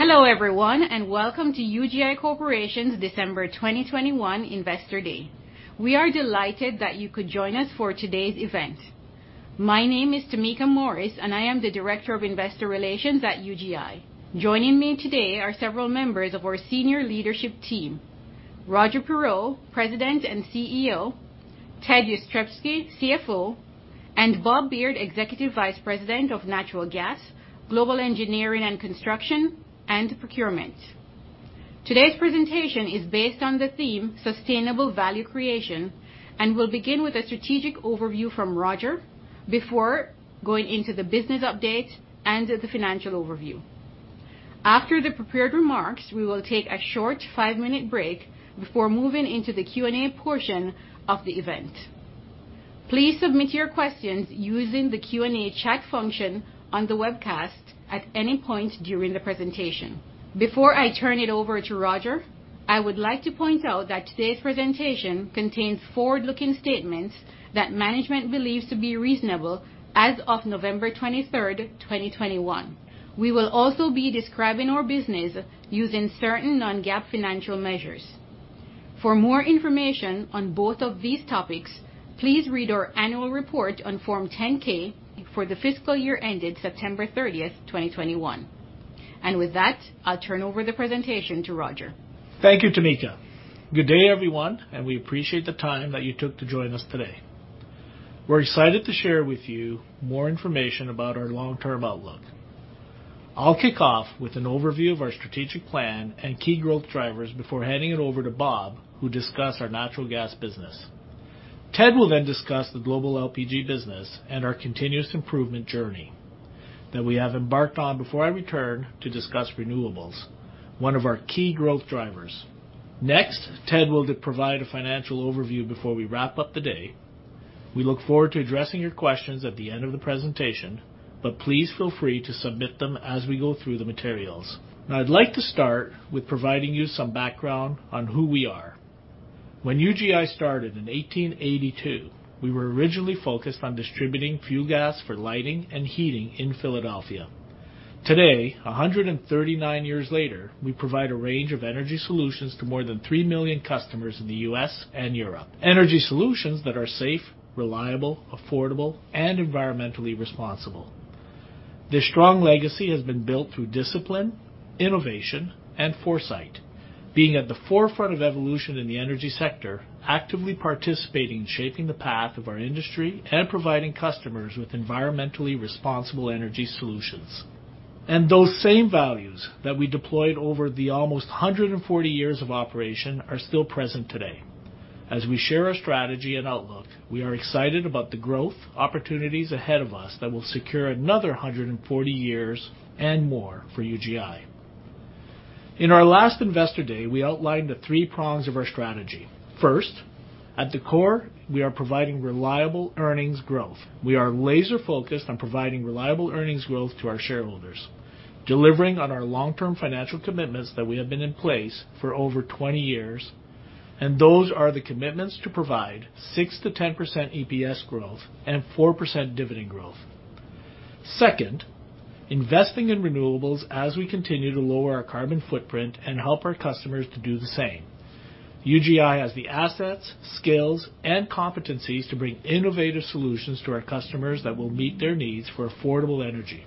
Hello everyone, and welcome to UGI Corporation's December 2021 Investor Day. We are delighted that you could join us for today's event. My name is Tameka Morris, and I am the Director of Investor Relations at UGI. Joining me today are several members of our senior leadership team. Roger Perreault, President and CEO, Ted Jastremski, CFO, and Bob Beard, Executive Vice President of Natural Gas, Global Engineering and Construction, and Procurement. Today's presentation is based on the theme Sustainable Value Creation, and we'll begin with a strategic overview from Roger before going into the business update and the financial overview. After the prepared remarks, we will take a short five-minute break before moving into the Q&A portion of the event. Please submit your questions using the Q&A chat function on the webcast at any point during the presentation. Before I turn it over to Roger, I would like to point out that today's presentation contains forward-looking statements that management believes to be reasonable as of November 23rd, 2021. We will also be describing our business using certain non-GAAP financial measures. For more information on both of these topics, please read our annual report on Form 10-K for the FY ended September 30th, 2021. With that, I'll turn over the presentation to Roger. Thank you, Tameka. Good day, everyone, and we appreciate the time that you took to join us today. We're excited to share with you more information about our long-term outlook. I'll kick off with an overview of our strategic plan and key growth drivers before handing it over to Bob, who'll discuss our natural gas business. Ted will then discuss the global LPG business and our continuous improvement journey that we have embarked on before I return to discuss renewables, one of our key growth drivers. Next, Ted will provide a financial overview before we wrap up the day. We look forward to addressing your questions at the end of the presentation, but please feel free to submit them as we go through the materials. Now, I'd like to start with providing you some background on who we are. When UGI started in 1882, we were originally focused on distributing fuel gas for lighting and heating in Philadelphia. Today, 139 years later, we provide a range of energy solutions to more than 3 million customers in the U.S. and Europe. Energy solutions that are safe, reliable, affordable, and environmentally responsible. This strong legacy has been built through discipline, innovation, and foresight, being at the forefront of evolution in the energy sector, actively participating in shaping the path of our industry, and providing customers with environmentally responsible energy solutions. Those same values that we deployed over the almost 140 years of operation are still present today. As we share our strategy and outlook, we are excited about the growth, opportunities ahead of us that will secure another 140 years and more for UGI. In our last Investor Day, we outlined the three prongs of our strategy. First, at the core, we are providing reliable earnings growth. We are laser-focused on providing reliable earnings growth to our shareholders, delivering on our long-term financial commitments that we have been in place for over 20 years, and those are the commitments to provide 6%-10% EPS growth and 4% dividend growth. Second, investing in renewables as we continue to lower our carbon footprint and help our customers to do the same. UGI has the assets, skills, and competencies to bring innovative solutions to our customers that will meet their needs for affordable energy.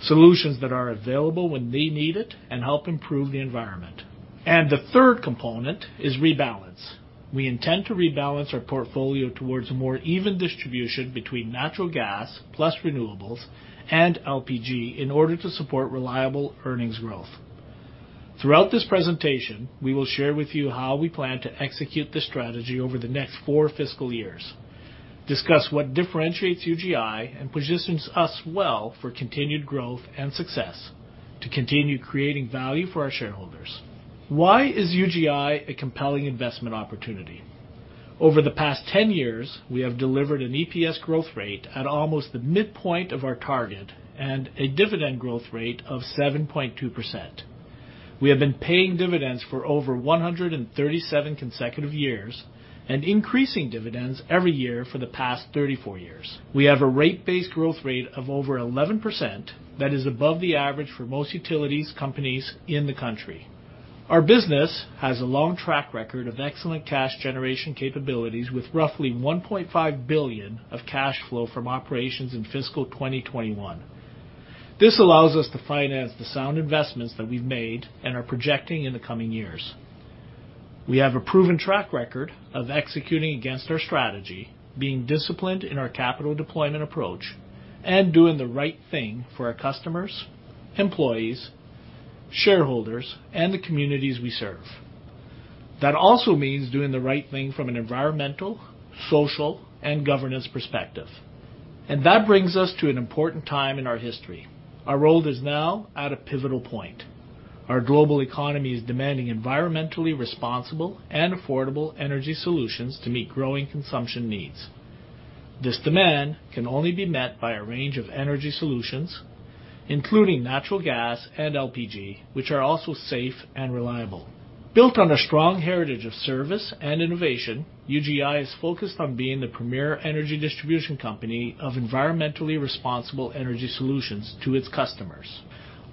Solutions that are available when they need it and help improve the environment. The third component is rebalance. We intend to rebalance our portfolio towards a more even distribution between natural gas plus renewables and LPG in order to support reliable earnings growth. Throughout this presentation, we will share with you how we plan to execute this strategy over the next four FYs, discuss what differentiates UGI and positions us well for continued growth and success to continue creating value for our shareholders. Why is UGI a compelling investment opportunity? Over the past 10 years, we have delivered an EPS growth rate at almost the midpoint of our target and a dividend growth rate of 7.2%. We have been paying dividends for over 137 consecutive years and increasing dividends every year for the past 34 years. We have a rate-based growth rate of over 11% that is above the average for most utilities companies in the country. Our business has a long track record of excellent cash generation capabilities with roughly $1.5 billion of cash flow from operations in fiscal 2021. This allows us to finance the sound investments that we've made and are projecting in the coming years. We have a proven track record of executing against our strategy, being disciplined in our capital deployment approach, and doing the right thing for our customers, employees, shareholders, and the communities we serve. That also means doing the right thing from an environmental, social, and governance perspective. That brings us to an important time in our history. Our world is now at a pivotal point. Our global economy is demanding environmentally responsible and affordable energy solutions to meet growing consumption needs. This demand can only be met by a range of energy solutions, including natural gas and LPG, which are also safe and reliable. Built on a strong heritage of service and innovation, UGI is focused on being the premier energy distribution company of environmentally responsible energy solutions to its customers.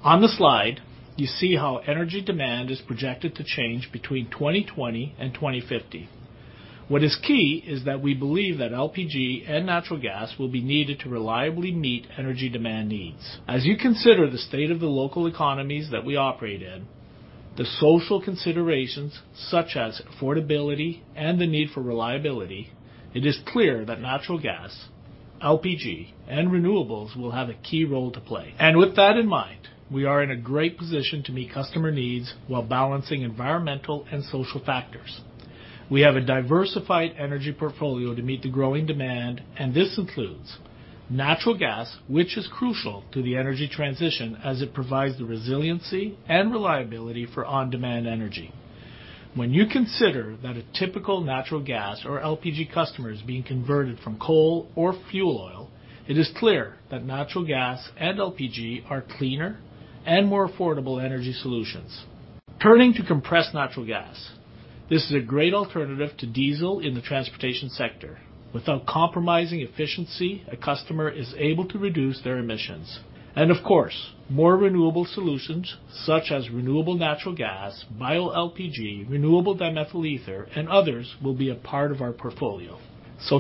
On the slide, you see how energy demand is projected to change between 2020 and 2050. What is key is that we believe that LPG and natural gas will be needed to reliably meet energy demand needs. As you consider the state of the local economies that we operate in, the social considerations, such as affordability and the need for reliability, it is clear that natural gas, LPG, and renewables will have a key role to play. With that in mind, we are in a great position to meet customer needs while balancing environmental and social factors. We have a diversified energy portfolio to meet the growing demand, and this includes natural gas, which is crucial to the energy transition as it provides the resiliency and reliability for on-demand energy. When you consider that a typical natural gas or LPG customer is being converted from coal or fuel oil, it is clear that natural gas and LPG are cleaner and more affordable energy solutions. Turning to compressed natural gas. This is a great alternative to diesel in the transportation sector. Without compromising efficiency, a customer is able to reduce their emissions. Of course, more renewable solutions, such as renewable natural gas, bioLPG, renewable dimethyl ether, and others, will be a part of our portfolio.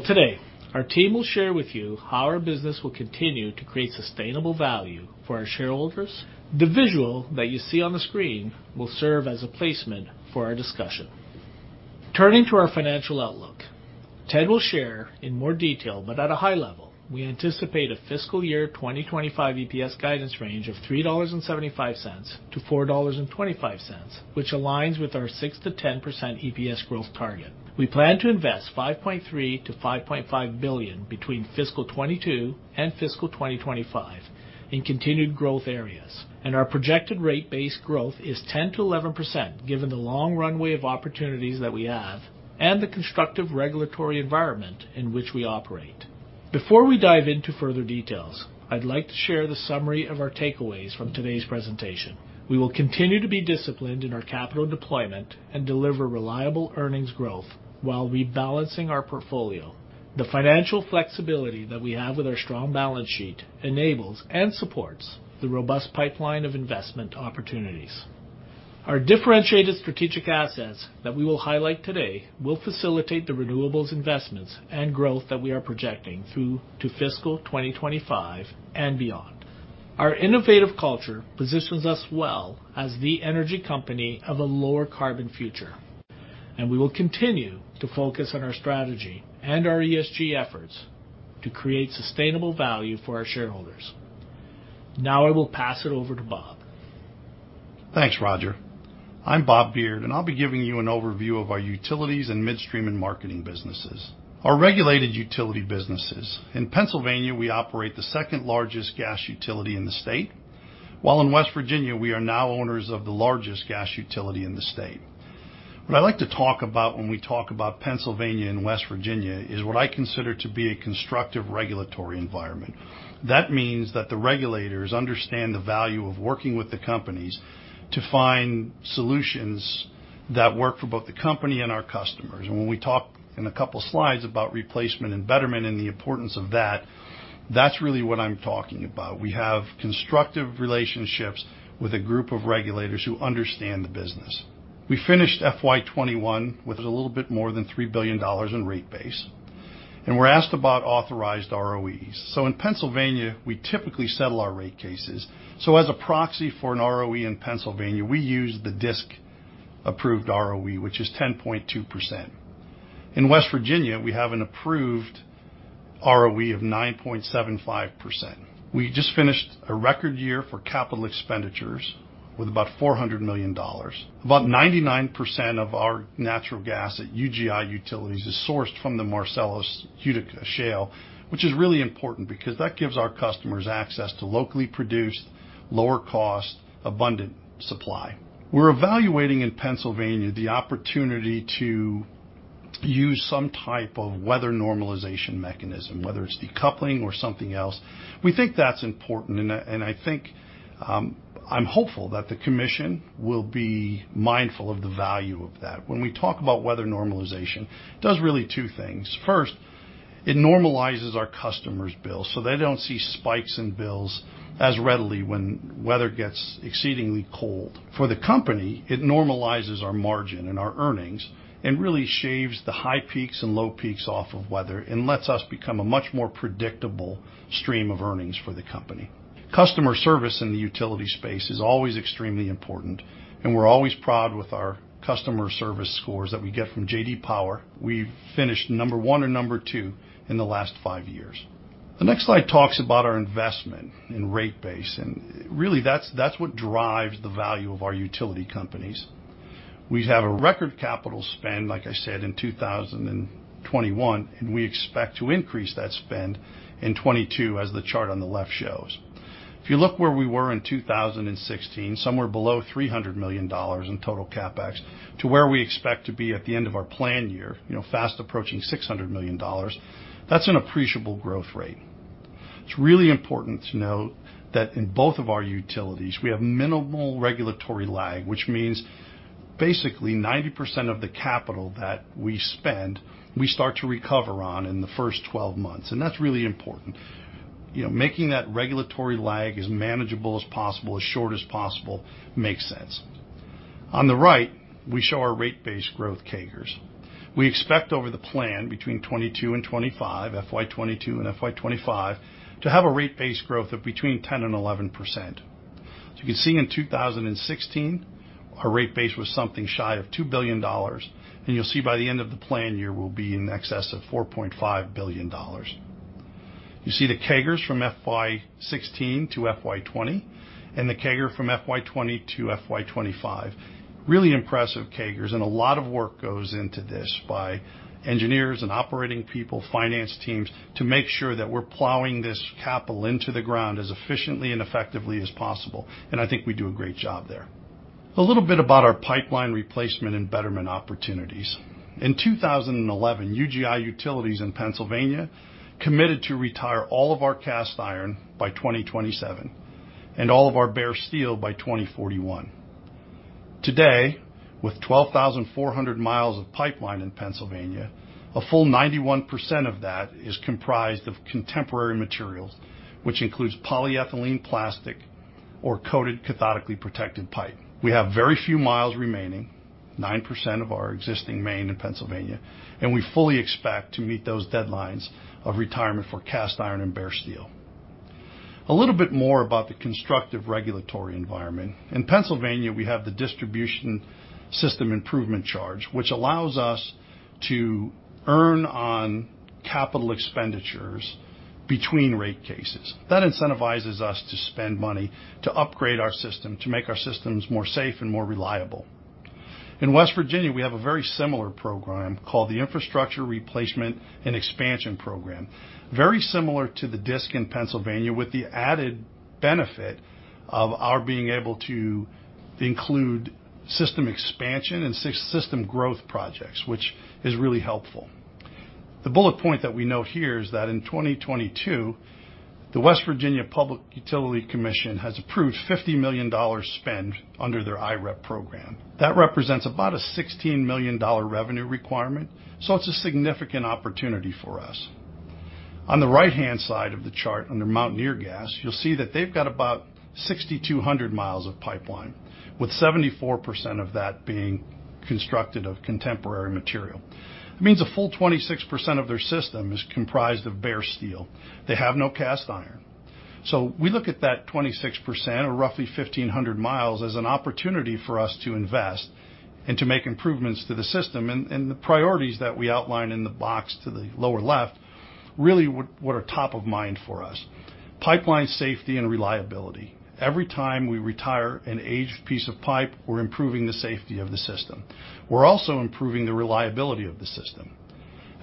Today, our team will share with you how our business will continue to create sustainable value for our shareholders. The visual that you see on the screen will serve as a placement for our discussion. Turning to our financial outlook. Ted will share in more detail, but at a high level, we anticipate a FY 2025 EPS guidance range of $3.75-$4.25, which aligns with our 6%-10% EPS growth target. We plan to invest $5.3 billion-$5.5 billion between FY 2022 and FY 2025 in continued growth areas. Our projected rate base growth is 10%-11%, given the long runway of opportunities that we have and the constructive regulatory environment in which we operate. Before we dive into further details, I'd like to share the summary of our takeaways from today's presentation. We will continue to be disciplined in our capital deployment and deliver reliable earnings growth while rebalancing our portfolio. The financial flexibility that we have with our strong balance sheet enables and supports the robust pipeline of investment opportunities. Our differentiated strategic assets that we will highlight today will facilitate the renewables investments and growth that we are projecting through to fiscal 2025 and beyond. Our innovative culture positions us well as the energy company of a lower carbon future, and we will continue to focus on our strategy and our ESG efforts to create sustainable value for our shareholders. Now I will pass it over to Bob. Thanks, Roger. I'm Bob Beard, and I'll be giving you an overview of our utilities and midstream and marketing businesses, our regulated utility businesses. In Pennsylvania, we operate the second-largest gas utility in the state, while in West Virginia, we are now owners of the largest gas utility in the state. What I'd like to talk about when we talk about Pennsylvania and West Virginia is what I consider to be a constructive regulatory environment. That means that the regulators understand the value of working with the companies to find solutions that work for both the company and our customers. When we talk in a couple slides about replacement and betterment and the importance of that's really what I'm talking about. We have constructive relationships with a group of regulators who understand the business. We finished FY 2021 with a little bit more than $3 billion in rate base, and we're asked about authorized ROEs. In Pennsylvania, we typically settle our rate cases. As a proxy for an ROE in Pennsylvania, we use the DSIC-approved ROE, which is 10.2%. In West Virginia, we have an approved ROE of 9.75%. We just finished a record year for capital expenditures with about $400 million. About 99% of our natural gas at UGI Utilities is sourced from the Marcellus Utica Shale, which is really important because that gives our customers access to locally produced, lower-cost, abundant supply. We're evaluating in Pennsylvania the opportunity to use some type of weather normalization mechanism, whether it's decoupling or something else. We think that's important, and I think I'm hopeful that the commission will be mindful of the value of that. When we talk about weather normalization, it does really two things. First, it normalizes our customers' bills, so they don't see spikes in bills as readily when weather gets exceedingly cold. For the company, it normalizes our margin and our earnings and really shaves the high peaks and low peaks off of weather and lets us become a much more predictable stream of earnings for the company. Customer service in the utility space is always extremely important, and we're always proud with our customer service scores that we get from J.D. Power. We've finished number one or number two in the last five years. The next slide talks about our investment in rate base, and really, that's what drives the value of our utility companies. We have a record capital spend, like I said, in 2021, and we expect to increase that spend in 2022 as the chart on the left shows. If you look where we were in 2016, somewhere below $300 million in total CapEx, to where we expect to be at the end of our plan year, you know, fast approaching $600 million, that's an appreciable growth rate. It's really important to note that in both of our utilities, we have minimal regulatory lag, which means, basically, 90% of the capital that we spend, we start to recover on in the first 12 months, and that's really important. You know, making that regulatory lag as manageable as possible, as short as possible, makes sense. On the right, we show our rate base growth CAGRs. We expect over the plan between 22-25, FY 2022 and FY 2025, to have a rate base growth of between 10%-11%. You can see in 2016, our rate base was something shy of $2 billion, and you'll see by the end of the plan year, we'll be in excess of $4.5 billion. You see the CAGRs from FY 2016 to FY 2020 and the CAGR from FY 2020 to FY 2025. Really impressive CAGRs and a lot of work goes into this by engineers and operating people, finance teams to make sure that we're plowing this capital into the ground as efficiently and effectively as possible. I think we do a great job there. A little bit about our pipeline replacement and betterment opportunities. In 2011, UGI Utilities in Pennsylvania committed to retire all of our cast iron by 2027 and all of our bare steel by 2041. Today, with 12,400 miles of pipeline in Pennsylvania, a full 91% of that is comprised of contemporary materials, which includes polyethylene plastic or coated cathodically protected pipe. We have very few miles remaining, 9% of our existing main in Pennsylvania, and we fully expect to meet those deadlines of retirement for cast iron and bare steel. A little bit more about the constructive regulatory environment. In Pennsylvania, we have the Distribution System Improvement Charge, which allows us to earn on capital expenditures between rate cases. That incentivizes us to spend money to upgrade our system, to make our systems more safe and more reliable. In West Virginia, we have a very similar program called the Infrastructure Replacement and Expansion Program, very similar to the DSIC in Pennsylvania with the added benefit of our being able to include system expansion and system growth projects, which is really helpful. The bullet point that we know here is that in 2022, the Public Service Commission of West Virginia has approved $50 million spend under their IREP program. That represents about a $16 million revenue requirement, so it's a significant opportunity for us. On the right-hand side of the chart under Mountaineer Gas, you'll see that they've got about 6,200 miles of pipeline, with 74% of that being constructed of contemporary material. It means a full 26% of their system is comprised of bare steel. They have no cast iron. We look at that 26% or roughly 1,500 miles as an opportunity for us to invest and to make improvements to the system and the priorities that we outline in the box to the lower left, really what are top of mind for us. Pipeline safety and reliability. Every time we retire an aged piece of pipe, we're improving the safety of the system. We're also improving the reliability of the system.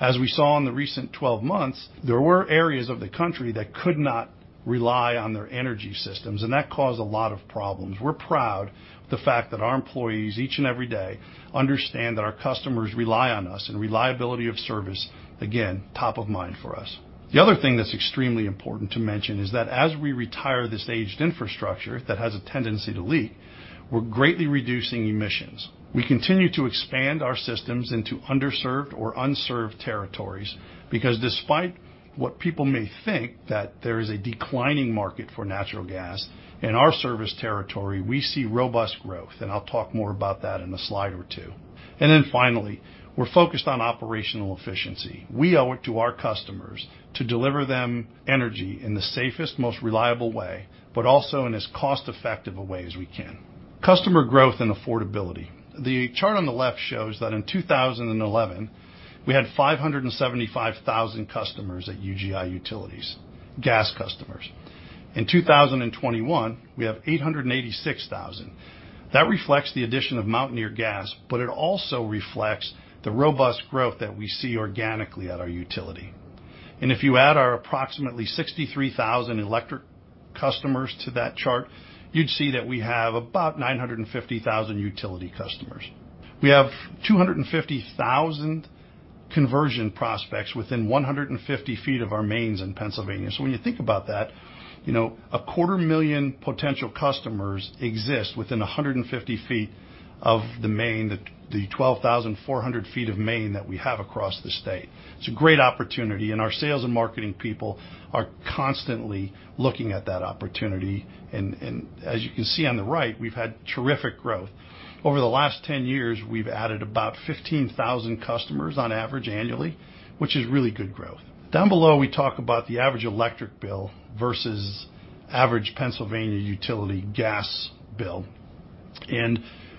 As we saw in the recent 12 months, there were areas of the country that could not rely on their energy systems, and that caused a lot of problems. We're proud of the fact that our employees, each and every day, understand that our customers rely on us and reliability of service, again, top of mind for us. The other thing that's extremely important to mention is that as we retire this aged infrastructure that has a tendency to leak, we're greatly reducing emissions. We continue to expand our systems into underserved or unserved territories because despite what people may think that there is a declining market for natural gas, in our service territory, we see robust growth, and I'll talk more about that in a slide or two. Finally, we're focused on operational efficiency. We owe it to our customers to deliver them energy in the safest, most reliable way, but also in as cost-effective a way as we can. Customer growth and affordability. The chart on the left shows that in 2011, we had 575,000 customers at UGI Utilities, gas customers. In 2021, we have 886,000. That reflects the addition of Mountaineer Gas, but it also reflects the robust growth that we see organically at our utility. If you add our approximately 63,000 electric customers to that chart, you'd see that we have about 950,000 utility customers. We have 250,000 conversion prospects within 150 feet of our mains in Pennsylvania. When you think about that, you know, a quarter million potential customers exist within 150 feet of the main, the 12,400 feet of main that we have across the state. It's a great opportunity, and our sales and marketing people are constantly looking at that opportunity. As you can see on the right, we've had terrific growth. Over the last 10 years, we've added about 15,000 customers on average annually, which is really good growth. Down below, we talk about the average electric bill versus average Pennsylvania utility gas bill.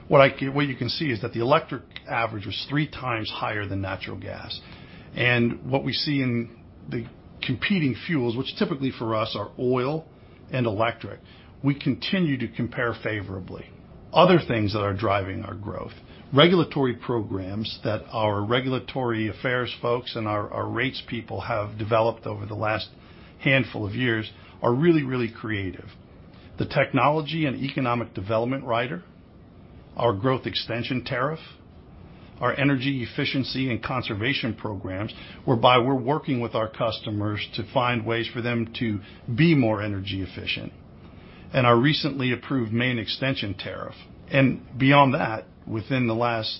What you can see is that the electric average was three times higher than natural gas. What we see in the competing fuels, which typically for us are oil and electric, we continue to compare favorably. Other things that are driving our growth are regulatory programs that our regulatory affairs folks and our rates people have developed over the last handful of years, which are really, really creative. The Technology and Economic Development Rider, our Growth Extension Tariff. Our energy efficiency and conservation programs, whereby we're working with our customers to find ways for them to be more energy efficient. Our recently approved Main Extension Tariff. Beyond that, within the last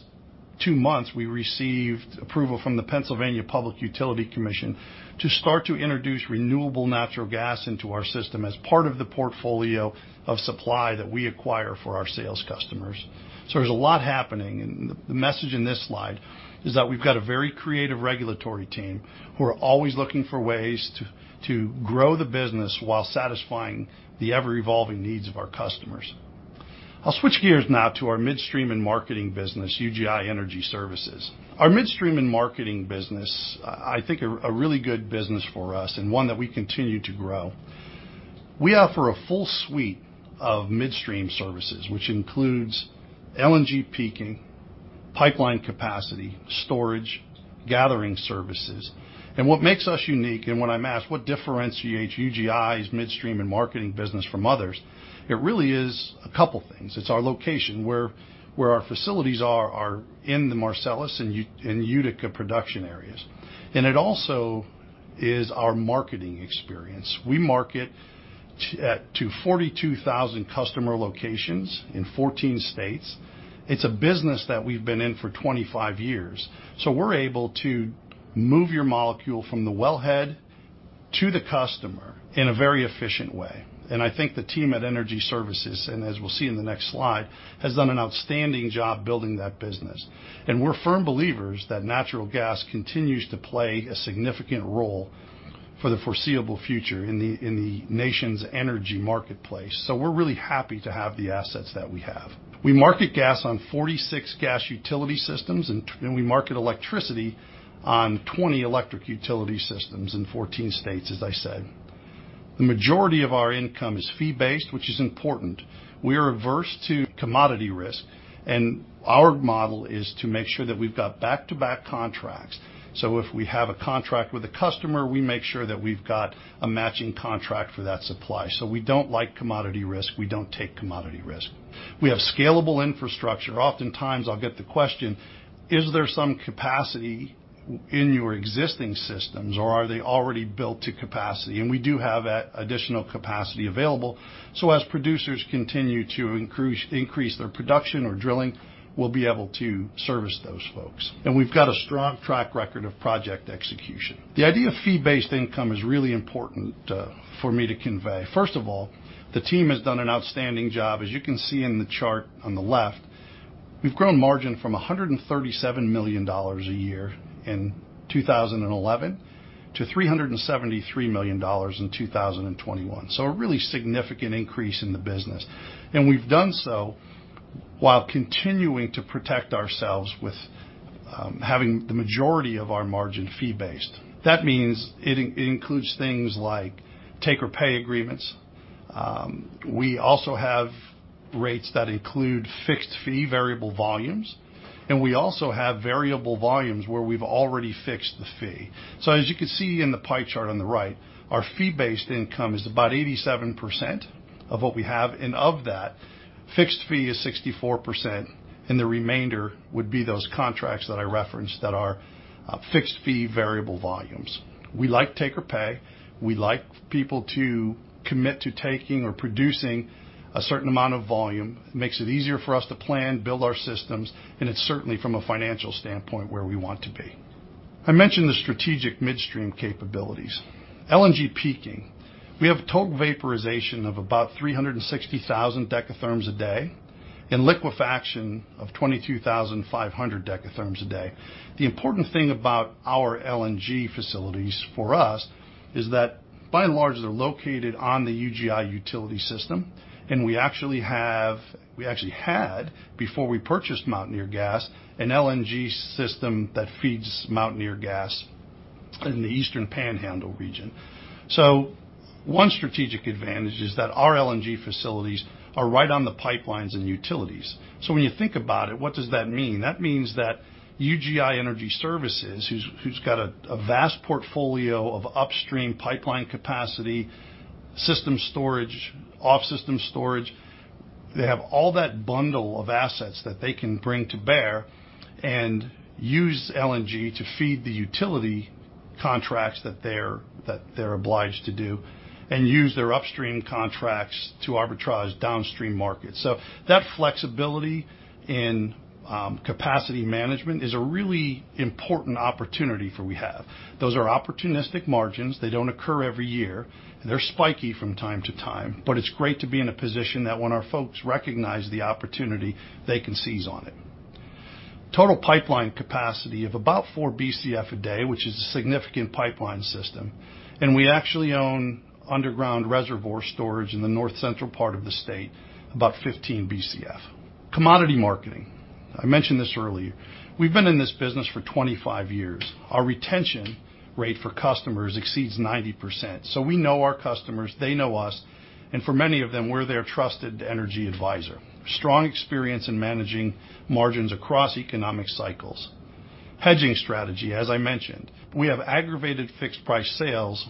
two months, we received approval from the Pennsylvania Public Utility Commission to start to introduce renewable natural gas into our system as part of the portfolio of supply that we acquire for our sales customers. So there's a lot happening, and the message in this slide is that we've got a very creative regulatory team who are always looking for ways to grow the business while satisfying the ever-evolving needs of our customers. I'll switch gears now to our midstream and marketing business, UGI Energy Services. Our midstream and marketing business, I think a really good business for us and one that we continue to grow. We offer a full suite of midstream services, which includes LNG peaking, pipeline capacity, storage, gathering services. What makes us unique, and when I'm asked, "What differentiates UGI's midstream and marketing business from others?" It really is a couple things. It's our location. Where our facilities are in the Marcellus and Utica production areas. It also is our marketing experience. We market to 42,000 customer locations in 14 states. It's a business that we've been in for 25 years. We're able to move your molecule from the wellhead to the customer in a very efficient way. I think the team at Energy Services, and as we'll see in the next slide, has done an outstanding job building that business. We're firm believers that natural gas continues to play a significant role for the foreseeable future in the nation's energy marketplace. We're really happy to have the assets that we have. We market gas on 46 gas utility systems, and we market electricity on 20 electric utility systems in 14 states, as I said. The majority of our income is fee-based, which is important. We are averse to commodity risk, and our model is to make sure that we've got back-to-back contracts. If we have a contract with a customer, we make sure that we've got a matching contract for that supply. We don't like commodity risk. We don't take commodity risk. We have scalable infrastructure. Oftentimes, I'll get the question, "Is there some capacity in your existing systems, or are they already built to capacity?" We do have additional capacity available. As producers continue to increase their production or drilling, we'll be able to service those folks. We've got a strong track record of project execution. The idea of fee-based income is really important for me to convey. First of all, the team has done an outstanding job. As you can see in the chart on the left, we've grown margin from $137 million a year in 2011 to $373 million in 2021. A really significant increase in the business. We've done so while continuing to protect ourselves with having the majority of our margin fee-based. That means it includes things like take or pay agreements. We also have rates that include fixed fee, variable volumes, and we also have variable volumes where we've already fixed the fee. As you can see in the pie chart on the right, our fee-based income is about 87% of what we have. Of that, fixed fee is 64%, and the remainder would be those contracts that I referenced that are fixed fee, variable volumes. We like take or pay. We like people to commit to taking or producing a certain amount of volume. It makes it easier for us to plan, build our systems, and it's certainly, from a financial standpoint, where we want to be. I mentioned the strategic midstream capabilities. LNG peaking. We have total vaporization of about 360,000 dekatherms a day and liquefaction of 22,500 dekatherms a day. The important thing about our LNG facilities for us is that, by and large, they're located on the UGI utility system, and we actually had, before we purchased Mountaineer Gas, an LNG system that feeds Mountaineer Gas in the Eastern Panhandle region. One strategic advantage is that our LNG facilities are right on the pipelines and utilities. When you think about it, what does that mean? That means that UGI Energy Services, who's got a vast portfolio of upstream pipeline capacity, system storage, off system storage, they have all that bundle of assets that they can bring to bear and use LNG to feed the utility contracts that they're obliged to do and use their upstream contracts to arbitrage downstream markets. That flexibility in capacity management is a really important opportunity for we have. Those are opportunistic margins. They don't occur every year. They're spiky from time to time, but it's great to be in a position that when our folks recognize the opportunity, they can seize on it. Total pipeline capacity of about 4 Bcf a day, which is a significant pipeline system. We actually own underground reservoir storage in the north central part of the state, about 15 Bcf. Commodity marketing. I mentioned this earlier. We've been in this business for 25 years. Our retention rate for customers exceeds 90%, so we know our customers. They know us, and for many of them, we're their trusted energy advisor. Strong experience in managing margins across economic cycles. Hedging strategy. As I mentioned, we have aggregated fixed price sales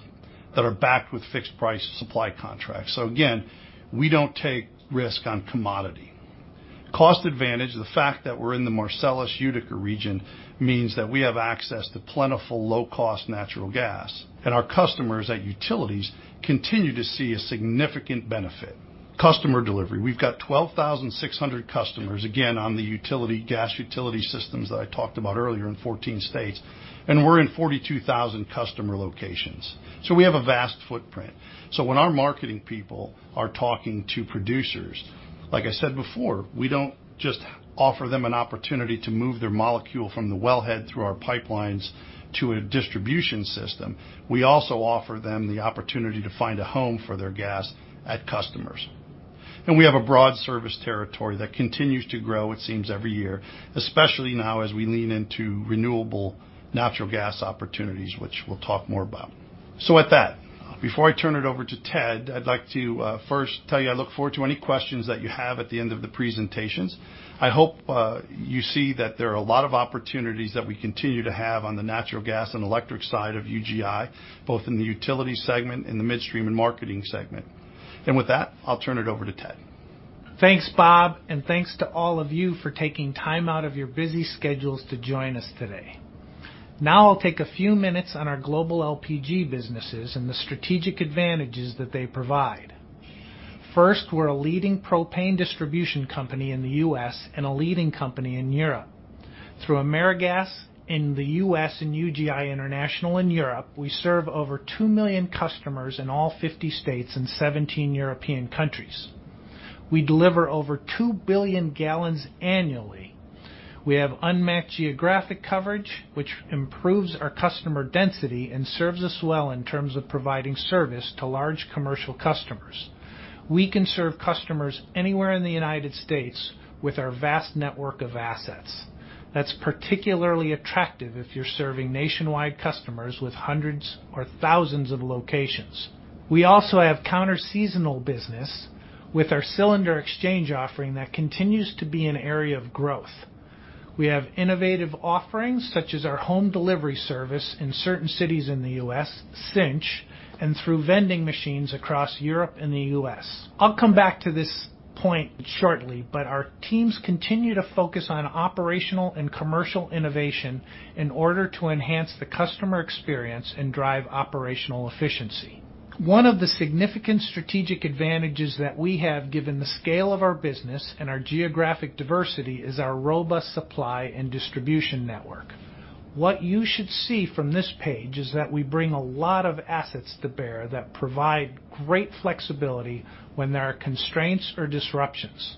that are backed with fixed price supply contracts. So again, we don't take risk on commodity. Cost advantage. The fact that we're in the Marcellus Utica region means that we have access to plentiful, low-cost natural gas, and our customers at Utilities continue to see a significant benefit. Customer delivery. We've got 12,600 customers, again, on the utility gas utility systems that I talked about earlier in 14 states, and we're in 42,000 customer locations. We have a vast footprint. When our marketing people are talking to producers, like I said before, we don't just offer them an opportunity to move their molecule from the wellhead through our pipelines to a distribution system. We also offer them the opportunity to find a home for their gas at customers. We have a broad service territory that continues to grow, it seems, every year, especially now as we lean into renewable natural gas opportunities, which we'll talk more about. With that, before I turn it over to Ted, I'd like to first tell you I look forward to any questions that you have at the end of the presentations. I hope you see that there are a lot of opportunities that we continue to have on the natural gas and electric side of UGI, both in the utility segment and the midstream and marketing segment. With that, I'll turn it over to Ted. Thanks, Bob, and thanks to all of you for taking time out of your busy schedules to join us today. Now I'll take a few minutes on our global LPG businesses and the strategic advantages that they provide. First, we're a leading propane distribution company in the U.S. and a leading company in Europe. Through AmeriGas in the U.S. and UGI International in Europe, we serve over 2 million customers in all 50 states and 17 European countries. We deliver over 2 billion gallons annually. We have unmatched geographic coverage, which improves our customer density and serves us well in terms of providing service to large commercial customers. We can serve customers anywhere in the United States with our vast network of assets. That's particularly attractive if you're serving nationwide customers with hundreds or thousands of locations. We also have counter-seasonal business with our cylinder exchange offering that continues to be an area of growth. We have innovative offerings such as our home delivery service in certain cities in the U.S., Cynch, and through vending machines across Europe and the U.S. I'll come back to this point shortly, but our teams continue to focus on operational and commercial innovation in order to enhance the customer experience and drive operational efficiency. One of the significant strategic advantages that we have, given the scale of our business and our geographic diversity, is our robust supply and distribution network. What you should see from this page is that we bring a lot of assets to bear that provide great flexibility when there are constraints or disruptions.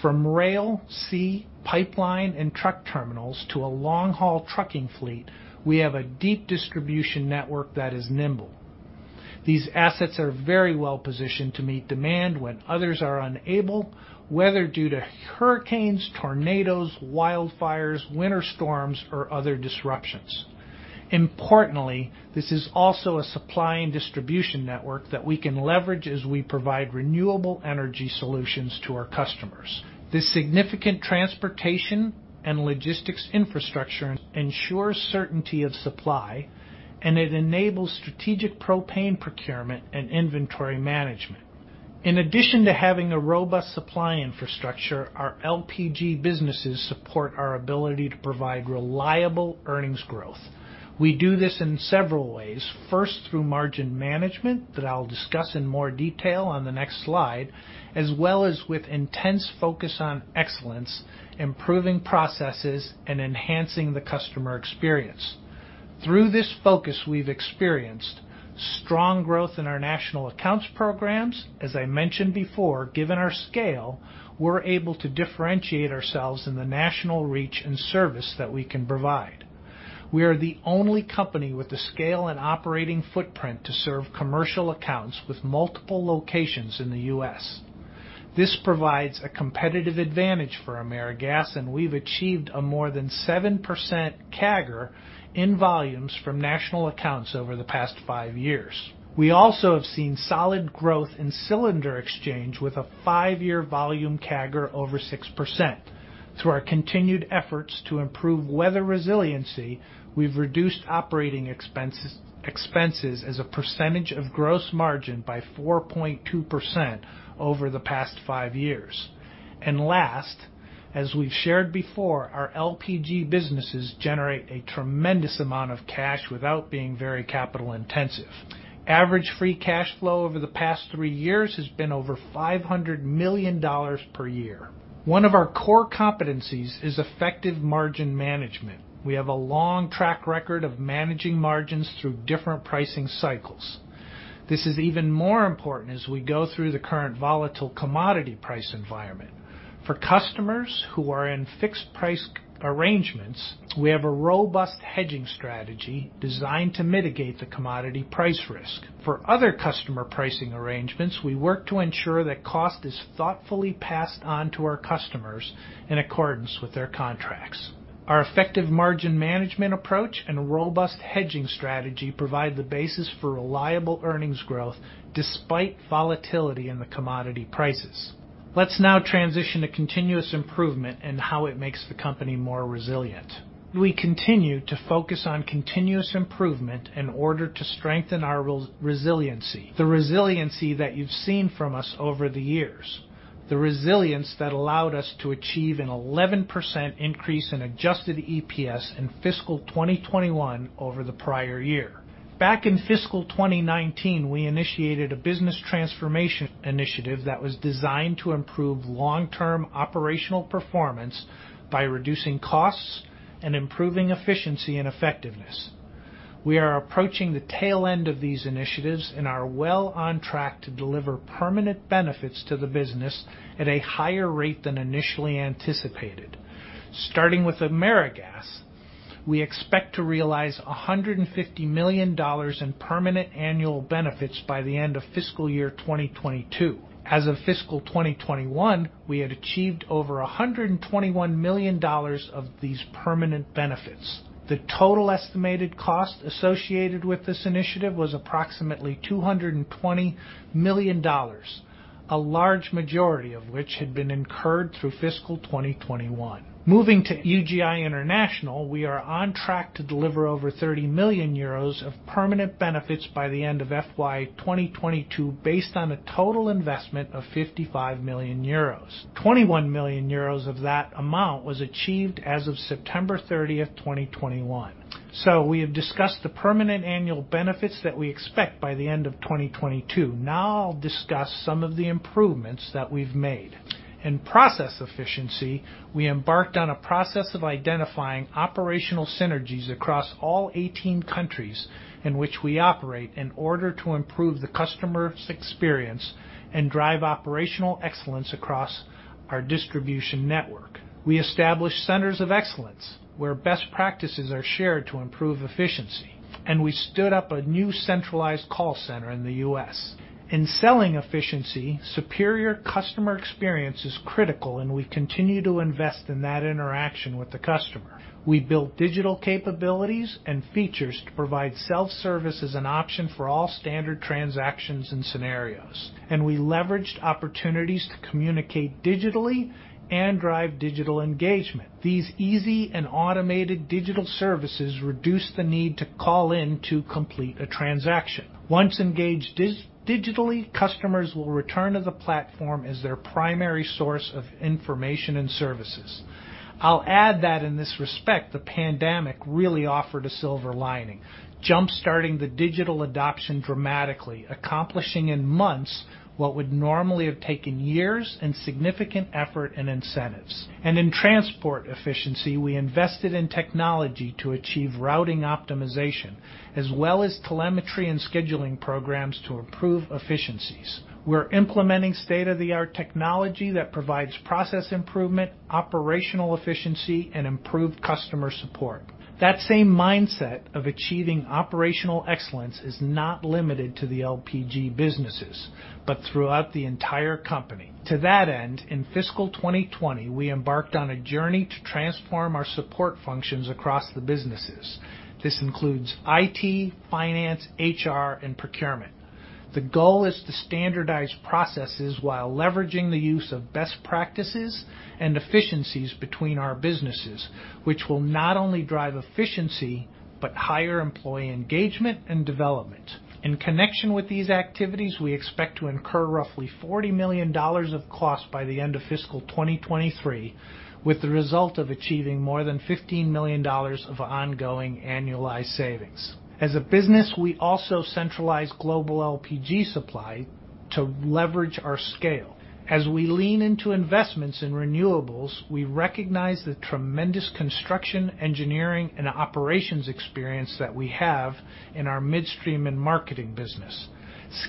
From rail, sea, pipeline, and truck terminals to a long-haul trucking fleet, we have a deep distribution network that is nimble. These assets are very well positioned to meet demand when others are unable, whether due to hurricanes, tornadoes, wildfires, winter storms, or other disruptions. Importantly, this is also a supply and distribution network that we can leverage as we provide renewable energy solutions to our customers. This significant transportation and logistics infrastructure ensures certainty of supply, and it enables strategic propane procurement and inventory management. In addition to having a robust supply infrastructure, our LPG businesses support our ability to provide reliable earnings growth. We do this in several ways. First, through margin management that I'll discuss in more detail on the next slide, as well as with intense focus on excellence, improving processes, and enhancing the customer experience. Through this focus, we've experienced strong growth in our national accounts programs. As I mentioned before, given our scale, we're able to differentiate ourselves in the national reach and service that we can provide. We are the only company with the scale and operating footprint to serve commercial accounts with multiple locations in the U.S. This provides a competitive advantage for AmeriGas, and we've achieved a more than 7% CAGR in volumes from national accounts over the past five years. We also have seen solid growth in cylinder exchange with a five-year volume CAGR over 6%. Through our continued efforts to improve weather resiliency, we've reduced operating expenses as a percentage of gross margin by 4.2% over the past five years. Last, as we've shared before, our LPG businesses generate a tremendous amount of cash without being very capital-intensive. Average free cash flow over the past three years has been over $500 million per year. One of our core competencies is effective margin management. We have a long track record of managing margins through different pricing cycles. This is even more important as we go through the current volatile commodity price environment. For customers who are in fixed price arrangements, we have a robust hedging strategy designed to mitigate the commodity price risk. For other customer pricing arrangements, we work to ensure that cost is thoughtfully passed on to our customers in accordance with their contracts. Our effective margin management approach and robust hedging strategy provide the basis for reliable earnings growth despite volatility in the commodity prices. Let's now transition to continuous improvement and how it makes the company more resilient. We continue to focus on continuous improvement in order to strengthen our resiliency, the resiliency that you've seen from us over the years, the resilience that allowed us to achieve an 11% increase in adjusted EPS in fiscal 2021 over the prior year. Back in fiscal 2019, we initiated a business transformation initiative that was designed to improve long-term operational performance by reducing costs and improving efficiency and effectiveness. We are approaching the tail end of these initiatives and are well on track to deliver permanent benefits to the business at a higher rate than initially anticipated. Starting with AmeriGas, we expect to realize $150 million in permanent annual benefits by the end of FY 2022. As of fiscal 2021, we had achieved over $121 million of these permanent benefits. The total estimated cost associated with this initiative was approximately $220 million, a large majority of which had been incurred through fiscal 2021. Moving to UGI International, we are on track to deliver over 30 million euros of permanent benefits by the end of FY 2022 based on a total investment of 55 million euros. 21 million euros of that amount was achieved as of September 30, 2021. We have discussed the permanent annual benefits that we expect by the end of 2022. Now I'll discuss some of the improvements that we've made. In process efficiency, we embarked on a process of identifying operational synergies across all 18 countries in which we operate in order to improve the customer's experience and drive operational excellence across our distribution network. We established centers of excellence where best practices are shared to improve efficiency, and we stood up a new centralized call center in the U.S. In selling efficiency, superior customer experience is critical, and we continue to invest in that interaction with the customer. We built digital capabilities and features to provide self-service as an option for all standard transactions and scenarios, and we leveraged opportunities to communicate digitally and drive digital engagement. These easy and automated digital services reduce the need to call in to complete a transaction. Once engaged digitally, customers will return to the platform as their primary source of information and services. I'll add that in this respect, the pandemic really offered a silver lining, jump-starting the digital adoption dramatically, accomplishing in months what would normally have taken years and significant effort and incentives. In transport efficiency, we invested in technology to achieve routing optimization as well as telemetry and scheduling programs to improve efficiencies. We're implementing state-of-the-art technology that provides process improvement, operational efficiency, and improved customer support. That same mindset of achieving operational excellence is not limited to the LPG businesses, but throughout the entire company. To that end, in fiscal 2020, we embarked on a journey to transform our support functions across the businesses. This includes IT, finance, HR, and procurement. The goal is to standardize processes while leveraging the use of best practices and efficiencies between our businesses, which will not only drive efficiency, but higher employee engagement and development. In connection with these activities, we expect to incur roughly $40 million of cost by the end of fiscal 2023, with the result of achieving more than $15 million of ongoing annualized savings. As a business, we also centralize global LPG supply to leverage our scale. As we lean into investments in renewables, we recognize the tremendous construction, engineering, and operations experience that we have in our midstream and marketing business,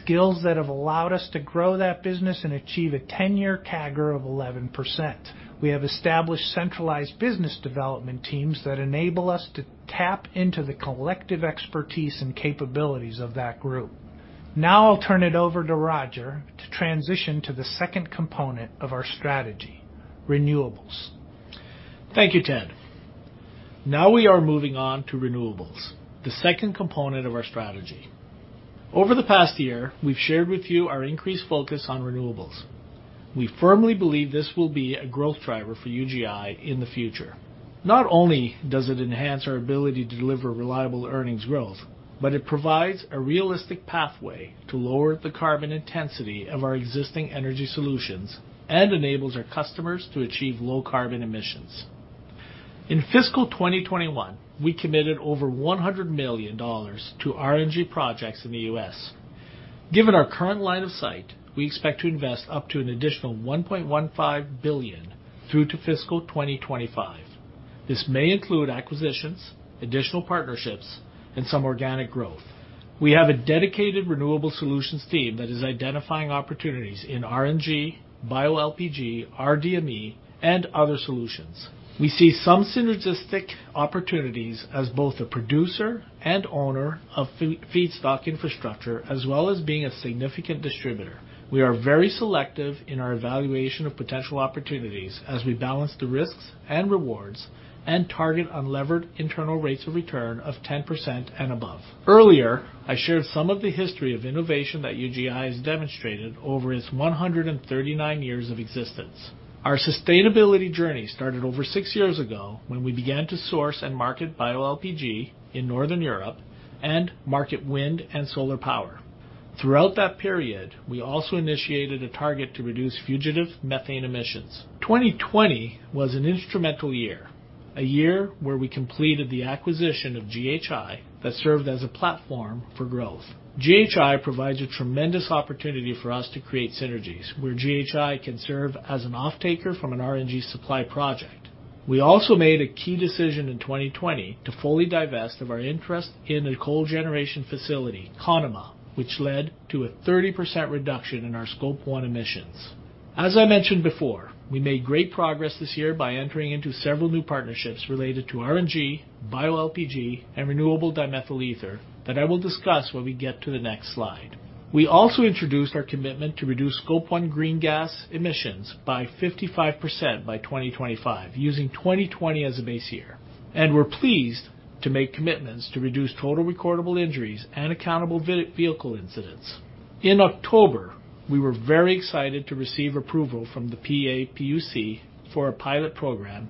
skills that have allowed us to grow that business and achieve a 10-year CAGR of 11%. We have established centralized business development teams that enable us to tap into the collective expertise and capabilities of that group. Now I'll turn it over to Roger to transition to the second component of our strategy, renewables. Thank you, Ted. Now we are moving on to renewables, the second component of our strategy. Over the past year, we've shared with you our increased focus on renewables. We firmly believe this will be a growth driver for UGI in the future. Not only does it enhance our ability to deliver reliable earnings growth, but it provides a realistic pathway to lower the carbon intensity of our existing energy solutions and enables our customers to achieve low carbon emissions. In fiscal 2021, we committed over $100 million to RNG projects in the U.S. Given our current line of sight, we expect to invest up to an additional $1.15 billion through fiscal 2025. This may include acquisitions, additional partnerships, and some organic growth. We have a dedicated renewable solutions team that is identifying opportunities in RNG, bioLPG, rDME, and other solutions. We see some synergistic opportunities as both a producer and owner of feedstock infrastructure as well as being a significant distributor. We are very selective in our evaluation of potential opportunities as we balance the risks and rewards and target unlevered internal rates of return of 10% and above. Earlier, I shared some of the history of innovation that UGI has demonstrated over its 139 years of existence. Our sustainability journey started over 6 years ago when we began to source and market bioLPG in Northern Europe and market wind and solar power. Throughout that period, we also initiated a target to reduce fugitive methane emissions. 2020 was an instrumental year, a year where we completed the acquisition of GHI that served as a platform for growth. GHI Energy provides a tremendous opportunity for us to create synergies where GHI Energy can serve as an offtaker from an RNG supply project. We also made a key decision in 2020 to fully divest of our interest in a coal generation facility, Conemaugh, which led to a 30% reduction in our scope one emissions. As I mentioned before, we made great progress this year by entering into several new partnerships related to RNG, bioLPG, and renewable dimethyl ether that I will discuss when we get to the next slide. We also introduced our commitment to reduce scope one greenhouse gas emissions by 55% by 2025, using 2020 as a base year, and we're pleased to make commitments to reduce total recordable injuries and accountable vehicle incidents. In October, we were very excited to receive approval from the PA PUC for a pilot program,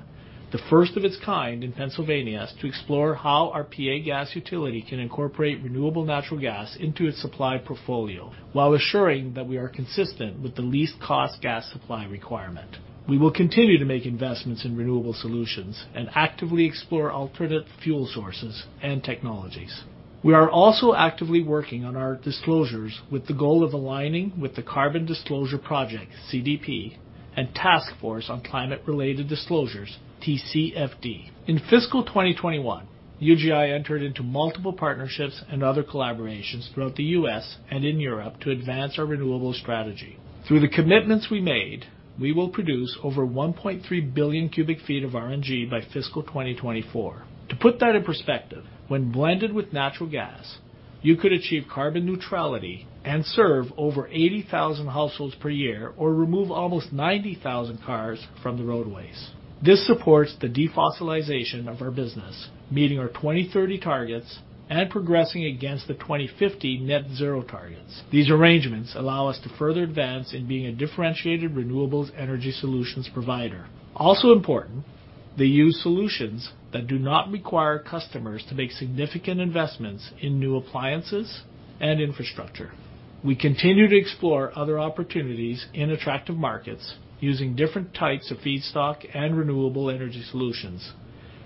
the first of its kind in Pennsylvania, to explore how our PA Gas Utility can incorporate renewable natural gas into its supply portfolio while assuring that we are consistent with the least cost gas supply requirement. We will continue to make investments in renewable solutions and actively explore alternate fuel sources and technologies. We are also actively working on our disclosures with the goal of aligning with the Carbon Disclosure Project, CDP, and Task Force on Climate-related Financial Disclosures, TCFD. In fiscal 2021, UGI entered into multiple partnerships and other collaborations throughout the U.S. and in Europe to advance our renewable strategy. Through the commitments we made, we will produce over 1.3 billion cubic feet of RNG by fiscal 2024. To put that in perspective, when blended with natural gas, you could achieve carbon neutrality and serve over 80,000 households per year or remove almost 90,000 cars from the roadways. This supports the defossilization of our business, meeting our 2030 targets and progressing against the 2050 net zero targets. These arrangements allow us to further advance in being a differentiated renewables energy solutions provider. Also important, they use solutions that do not require customers to make significant investments in new appliances and infrastructure. We continue to explore other opportunities in attractive markets using different types of feedstock and renewable energy solutions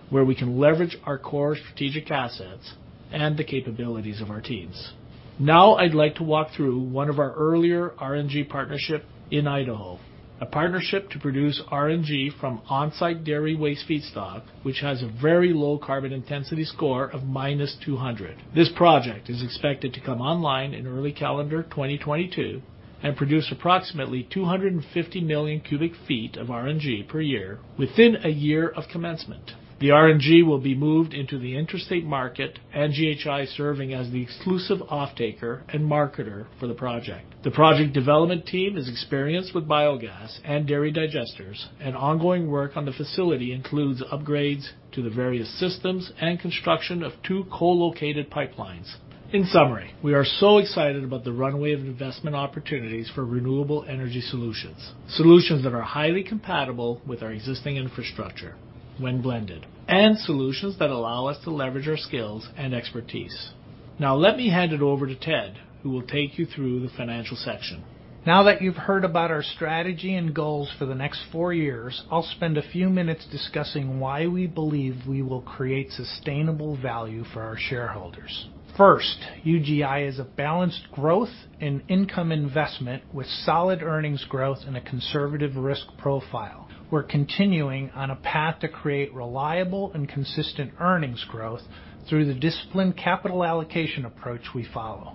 where we can leverage our core strategic assets and the capabilities of our teams. Now I'd like to walk through one of our earlier RNG partnerships in Idaho, a partnership to produce RNG from on-site dairy waste feedstock, which has a very low carbon intensity score of -200. This project is expected to come online in early calendar 2022 and produce approximately 250 million cu ft of RNG per year within a year of commencement. The RNG will be moved into the interstate market, with GHI Energy serving as the exclusive offtaker and marketer for the project. The project development team is experienced with biogas and dairy digesters, and ongoing work on the facility includes upgrades to the various systems and construction of two co-located pipelines. In summary, we are so excited about the runway of investment opportunities for renewable energy solutions that are highly compatible with our existing infrastructure when blended, and solutions that allow us to leverage our skills and expertise. Now let me hand it over to Ted, who will take you through the financial section. Now that you've heard about our strategy and goals for the next four years, I'll spend a few minutes discussing why we believe we will create sustainable value for our shareholders. First, UGI is a balanced growth and income investment with solid earnings growth and a conservative risk profile. We're continuing on a path to create reliable and consistent earnings growth through the disciplined capital allocation approach we follow.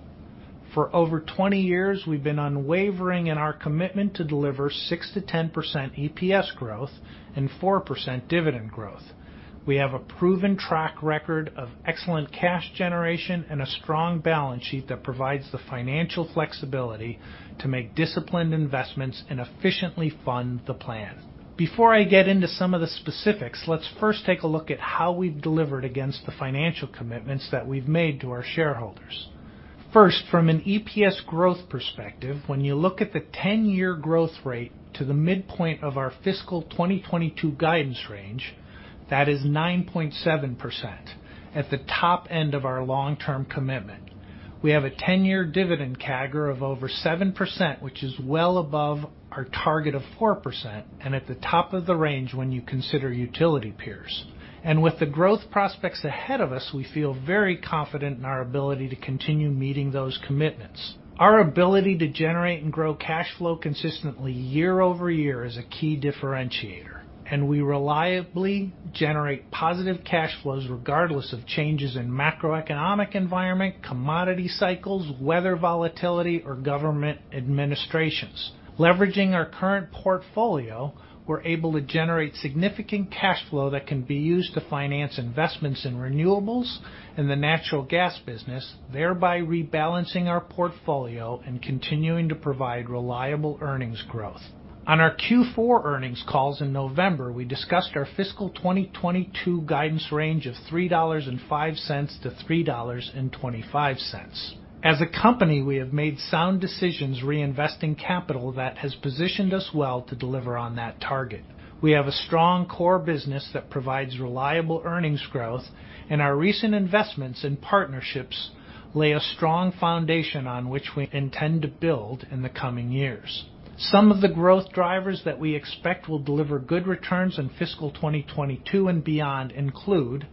For over 20 years, we've been unwavering in our commitment to deliver 6%-10% EPS growth and 4% dividend growth. We have a proven track record of excellent cash generation and a strong balance sheet that provides the financial flexibility to make disciplined investments and efficiently fund the plan. Before I get into some of the specifics, let's first take a look at how we've delivered against the financial commitments that we've made to our shareholders. First, from an EPS growth perspective, when you look at the ten-year growth rate to the midpoint of our fiscal 2022 guidance range, that is 9.7% at the top end of our long-term commitment. We have a ten-year dividend CAGR of over 7%, which is well above our target of 4% and at the top of the range when you consider utility peers. With the growth prospects ahead of us, we feel very confident in our ability to continue meeting those commitments. Our ability to generate and grow cash flow consistently year-over-year is a key differentiator, and we reliably generate positive cash flows regardless of changes in macroeconomic environment, commodity cycles, weather volatility, or government administrations. Leveraging our current portfolio, we're able to generate significant cash flow that can be used to finance investments in renewables in the natural gas business, thereby rebalancing our portfolio and continuing to provide reliable earnings growth. On our Q4 earnings calls in November, we discussed our fiscal 2022 guidance range of $3.05-$3.25. As a company, we have made sound decisions reinvesting capital that has positioned us well to deliver on that target. We have a strong core business that provides reliable earnings growth, and our recent investments and partnerships lay a strong foundation on which we intend to build in the coming years. Some of the growth drivers that we expect will deliver good returns in fiscal 2022 and beyond include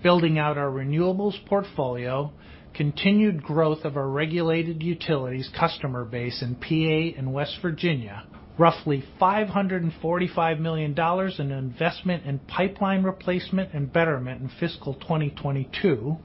building out our renewables portfolio, continued growth of our regulated utilities customer base in PA and West Virginia, roughly $545 million in investment in pipeline replacement and betterment in fiscal 2022.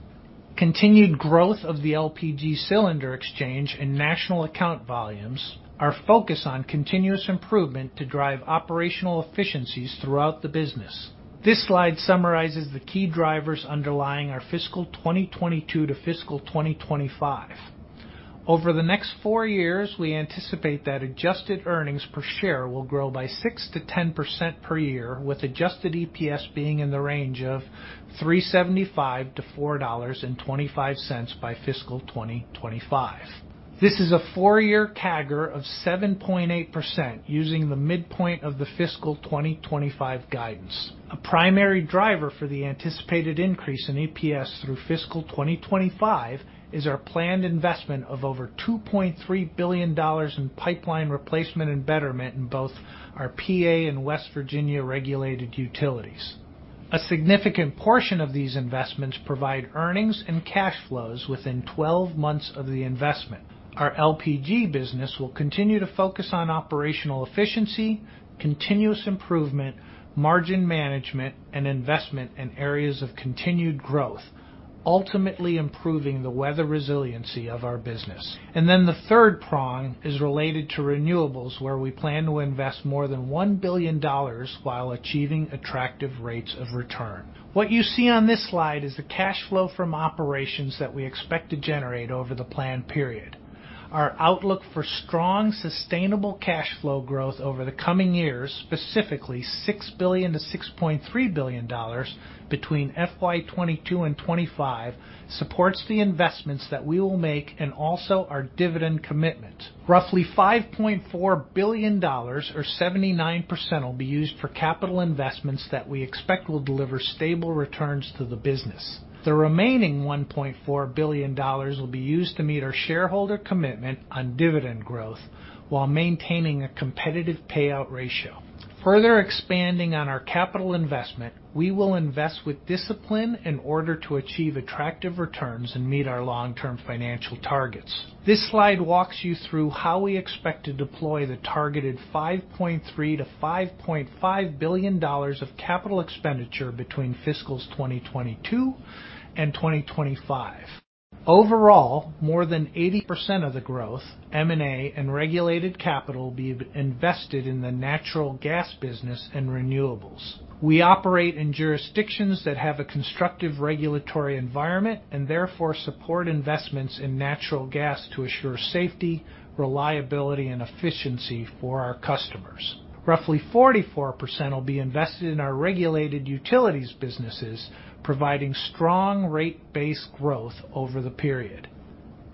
Continued growth of the LPG cylinder exchange and national account volumes are focused on continuous improvement to drive operational efficiencies throughout the business. This slide summarizes the key drivers underlying our fiscal 2022 to fiscal 2025. Over the next four years, we anticipate that adjusted earnings per share will grow by 6%-10% per year, with adjusted EPS being in the range of $3.75-$4.25 by fiscal 2025. This is a four-year CAGR of 7.8% using the midpoint of the fiscal 2025 guidance. A primary driver for the anticipated increase in EPS through fiscal 2025 is our planned investment of over $2.3 billion in pipeline replacement and betterment in both our PA and West Virginia regulated utilities. A significant portion of these investments provide earnings and cash flows within 12 months of the investment. Our LPG business will continue to focus on operational efficiency, continuous improvement, margin management, and investment in areas of continued growth, ultimately improving the weather resiliency of our business. The third prong is related to renewables, where we plan to invest more than $1 billion while achieving attractive rates of return. What you see on this slide is the cash flow from operations that we expect to generate over the planned period. Our outlook for strong, sustainable cash flow growth over the coming years, specifically $6 billion-$6.3 billion between FY 2022 and 2025, supports the investments that we will make and also our dividend commitment. Roughly $5.4 billion or 79% will be used for capital investments that we expect will deliver stable returns to the business. The remaining $1.4 billion will be used to meet our shareholder commitment on dividend growth while maintaining a competitive payout ratio. Further expanding on our capital investment, we will invest with discipline in order to achieve attractive returns and meet our long-term financial targets. This slide walks you through how we expect to deploy the targeted $5.3 billion-$5.5 billion of capital expenditure between FY 2022 and FY 2025. Overall, more than 80% of the growth, M&A, and regulated capital will be invested in the natural gas business and renewables. We operate in jurisdictions that have a constructive regulatory environment and therefore support investments in natural gas to assure safety, reliability, and efficiency for our customers. Roughly 44% will be invested in our regulated utilities businesses, providing strong rate-based growth over the period.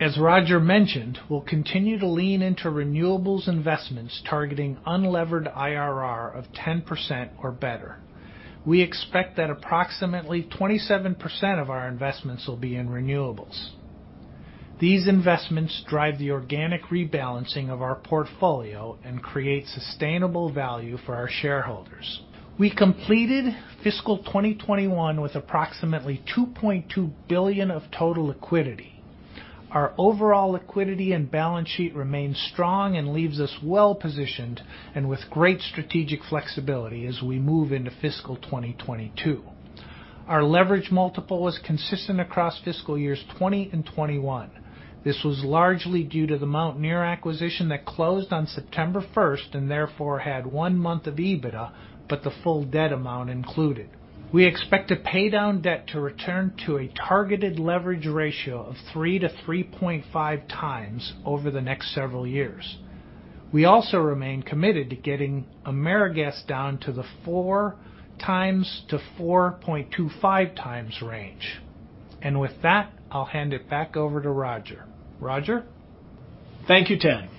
As Roger mentioned, we'll continue to lean into renewables investments targeting unlevered IRR of 10% or better. We expect that approximately 27% of our investments will be in renewables. These investments drive the organic rebalancing of our portfolio and create sustainable value for our shareholders. We completed fiscal 2021 with approximately $2.2 billion of total liquidity. Our overall liquidity and balance sheet remains strong and leaves us well positioned and with great strategic flexibility as we move into fiscal 2022. Our leverage multiple was consistent across FYs 2020 and 2021. This was largely due to the Mountaineer acquisition that closed on September 1st and therefore had one month of EBITDA, but the full debt amount included. We expect to pay down debt to return to a targeted leverage ratio of 3x-3.5x over the next several years. We also remain committed to getting AmeriGas down to the 4x-4.25x range. With that, I'll hand it back over to Roger. Roger? Thank you, Ted.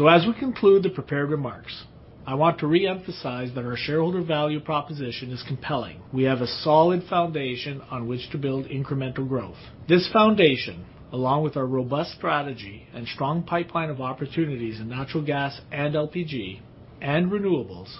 As we conclude the prepared remarks, I want to reemphasize that our shareholder value proposition is compelling. We have a solid foundation on which to build incremental growth. This foundation, along with our robust strategy and strong pipeline of opportunities in natural gas and LPG and renewables,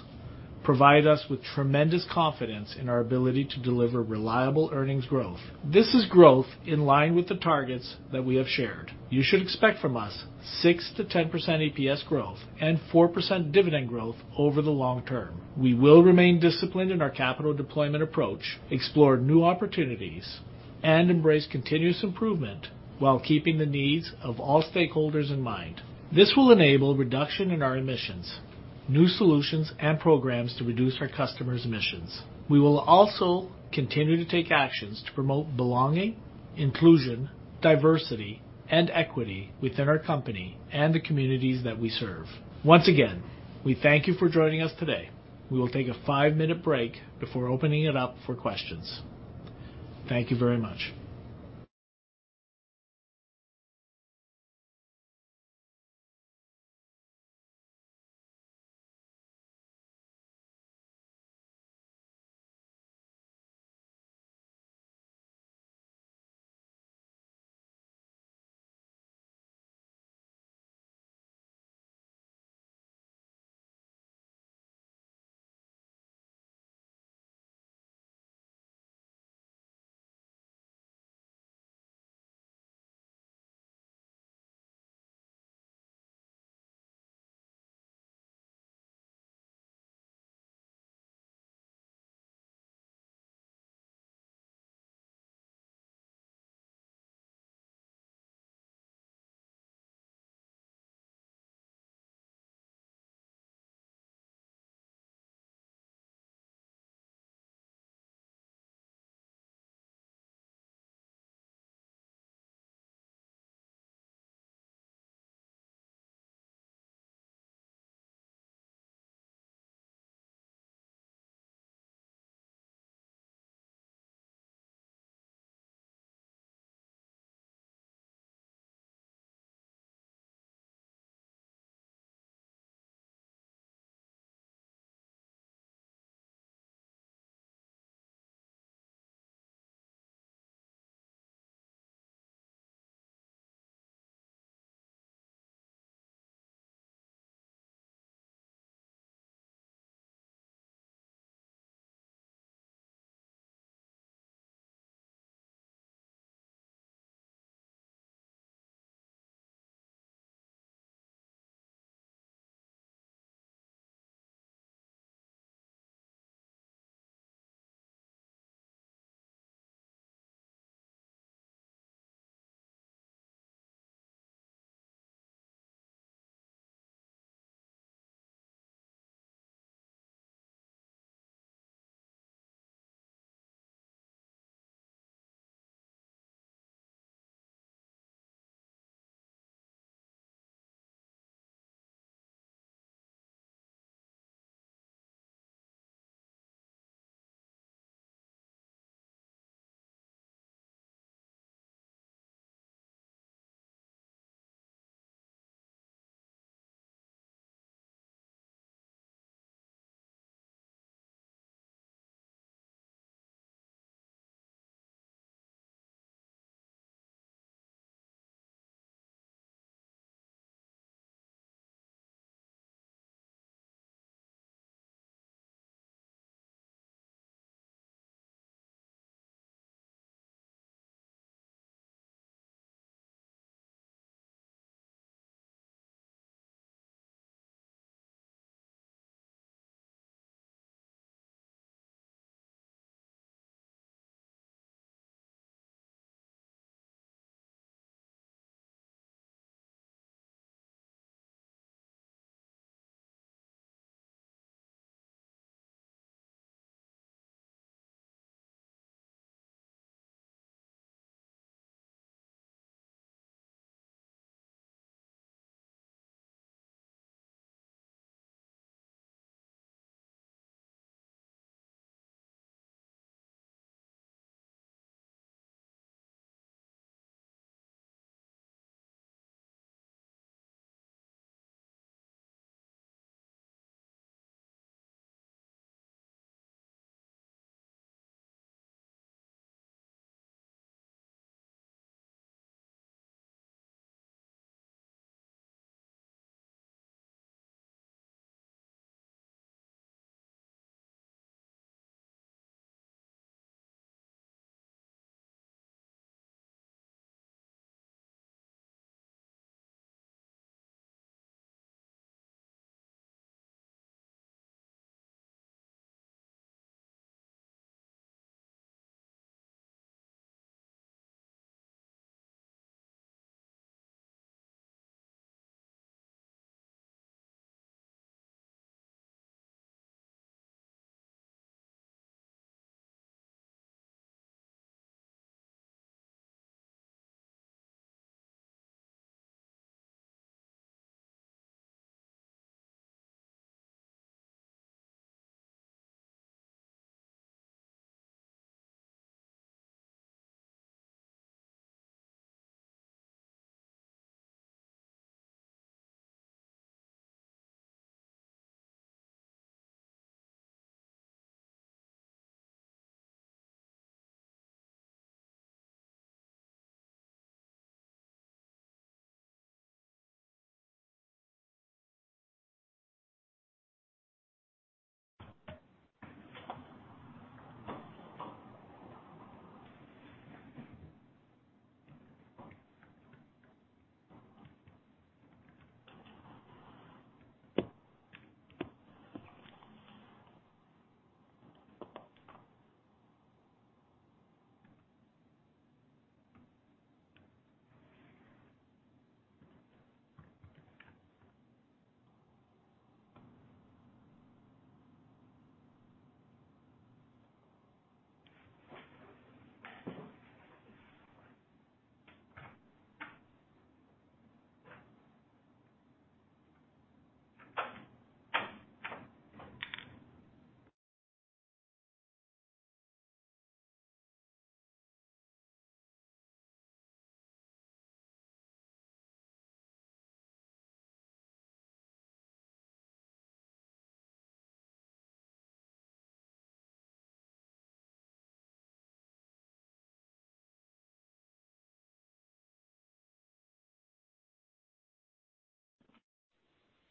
provide us with tremendous confidence in our ability to deliver reliable earnings growth. This is growth in line with the targets that we have shared. You should expect from us 6%-10% EPS growth and 4% dividend growth over the long term. We will remain disciplined in our capital deployment approach, explore new opportunities, and embrace continuous improvement while keeping the needs of all stakeholders in mind. This will enable reduction in our emissions, new solutions, and programs to reduce our customers' emissions. We will also continue to take actions to promote belonging, inclusion, diversity, and equity within our company and the communities that we serve. Once again, we thank you for joining us today. We will take a five-minute break before opening it up for questions. Thank you very much.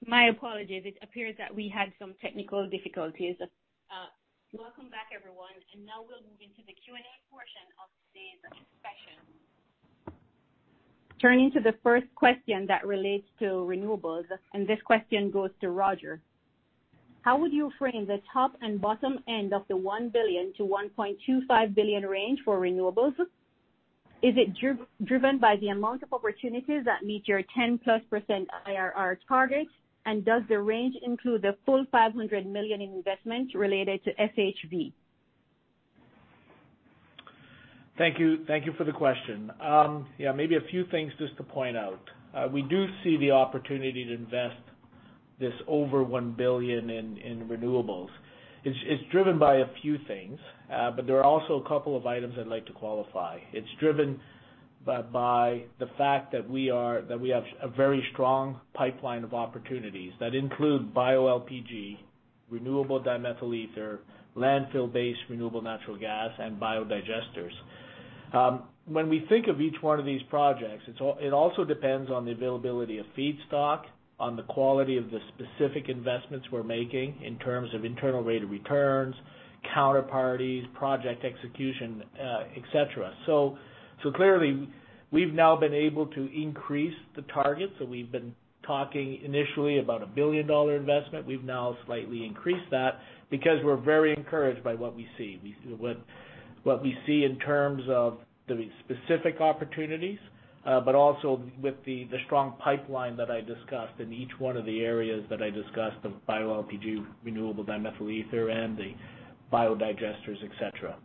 My apologies. It appears that we had some technical difficulties. Welcome back, everyone. Now we'll move into the Q&A portion of today's session. Turning to the first question that relates to renewables, and this question goes to Roger. How would you frame the top and bottom end of the $1 billion-$1.25 billion range for renewables? Is it driven by the amount of opportunities that meet your 10%+ IRR target? Does the range include the full $500 million investment related to SHV? Thank you for the question. Yeah, maybe a few things just to point out. We do see the opportunity to invest over $1 billion in renewables. It's driven by a few things, but there are also a couple of items I'd like to qualify. It's driven by the fact that we have a very strong pipeline of opportunities that include bioLPG, renewable dimethyl ether, landfill-based renewable natural gas, and biodigesters. When we think of each one of these projects, it also depends on the availability of feedstock, on the quality of the specific investments we're making in terms of internal rate of returns, counterparties, project execution, et cetera. So clearly, we've now been able to increase the targets, so we've been talking initially about a billion-dollar investment. We've now slightly increased that because we're very encouraged by what we see in terms of the specific opportunities, but also with the strong pipeline that I discussed in each one of the areas that I discussed, the bioLPG, renewable dimethyl ether and the biodigesters, et cetera.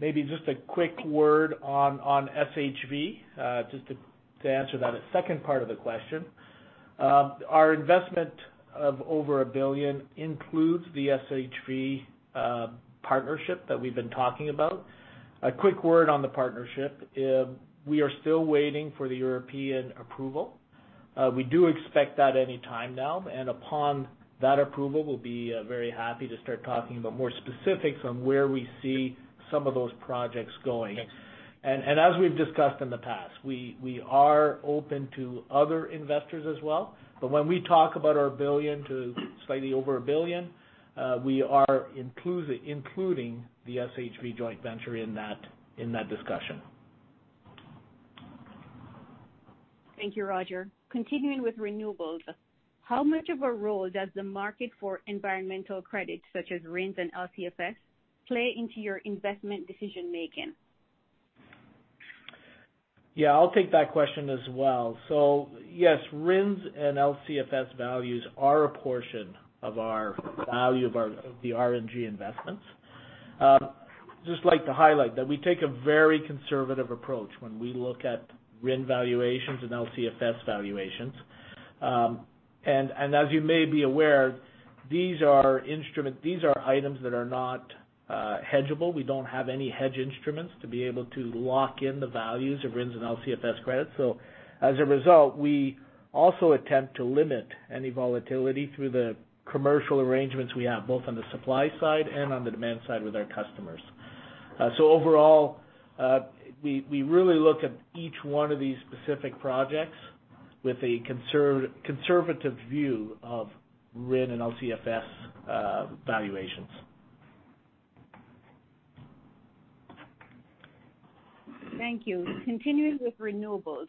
Maybe just a quick word on SHV just to answer that second part of the question. Our investment of over $1 billion includes the SHV partnership that we've been talking about. A quick word on the partnership. We are still waiting for the European approval. We do expect that any time now, and upon that approval, we'll be very happy to start talking about more specifics on where we see some of those projects going. As we've discussed in the past, we are open to other investors as well. When we talk about our $1 billion to slightly over $1 billion, we are including the SHV joint venture in that discussion. Thank you, Roger. Continuing with renewables, how much of a role does the market for environmental credits, such as RINS and LCFS, play into your investment decision-making? Yeah, I'll take that question as well. Yes, RINS and LCFS values are a portion of the RNG investments. Just like to highlight that we take a very conservative approach when we look at RIN valuations and LCFS valuations. And as you may be aware, these are items that are not hedgeable. We don't have any hedge instruments to be able to lock in the values of RINS and LCFS credits. As a result, we also attempt to limit any volatility through the commercial arrangements we have both on the supply side and on the demand side with our customers. Overall, we really look at each one of these specific projects with a conservative view of RIN and LCFS valuations. Thank you. Continuing with renewables,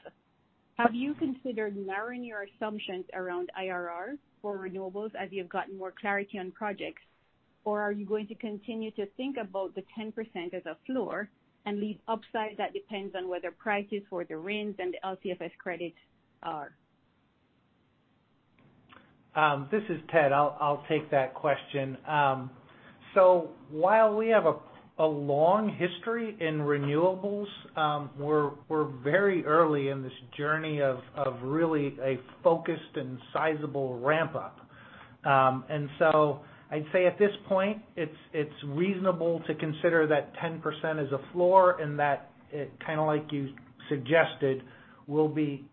have you considered narrowing your assumptions around IRRs for renewables as you've gotten more clarity on projects, or are you going to continue to think about the 10% as a floor and leave upside that depends on whether prices for the RINS and the LCFS credits are? This is Ted. I'll take that question. While we have a long history in renewables, we're very early in this journey of really a focused and sizable ramp-up. I'd say at this point, it's reasonable to consider that 10% is a floor and that it, kinda like you suggested, we'll be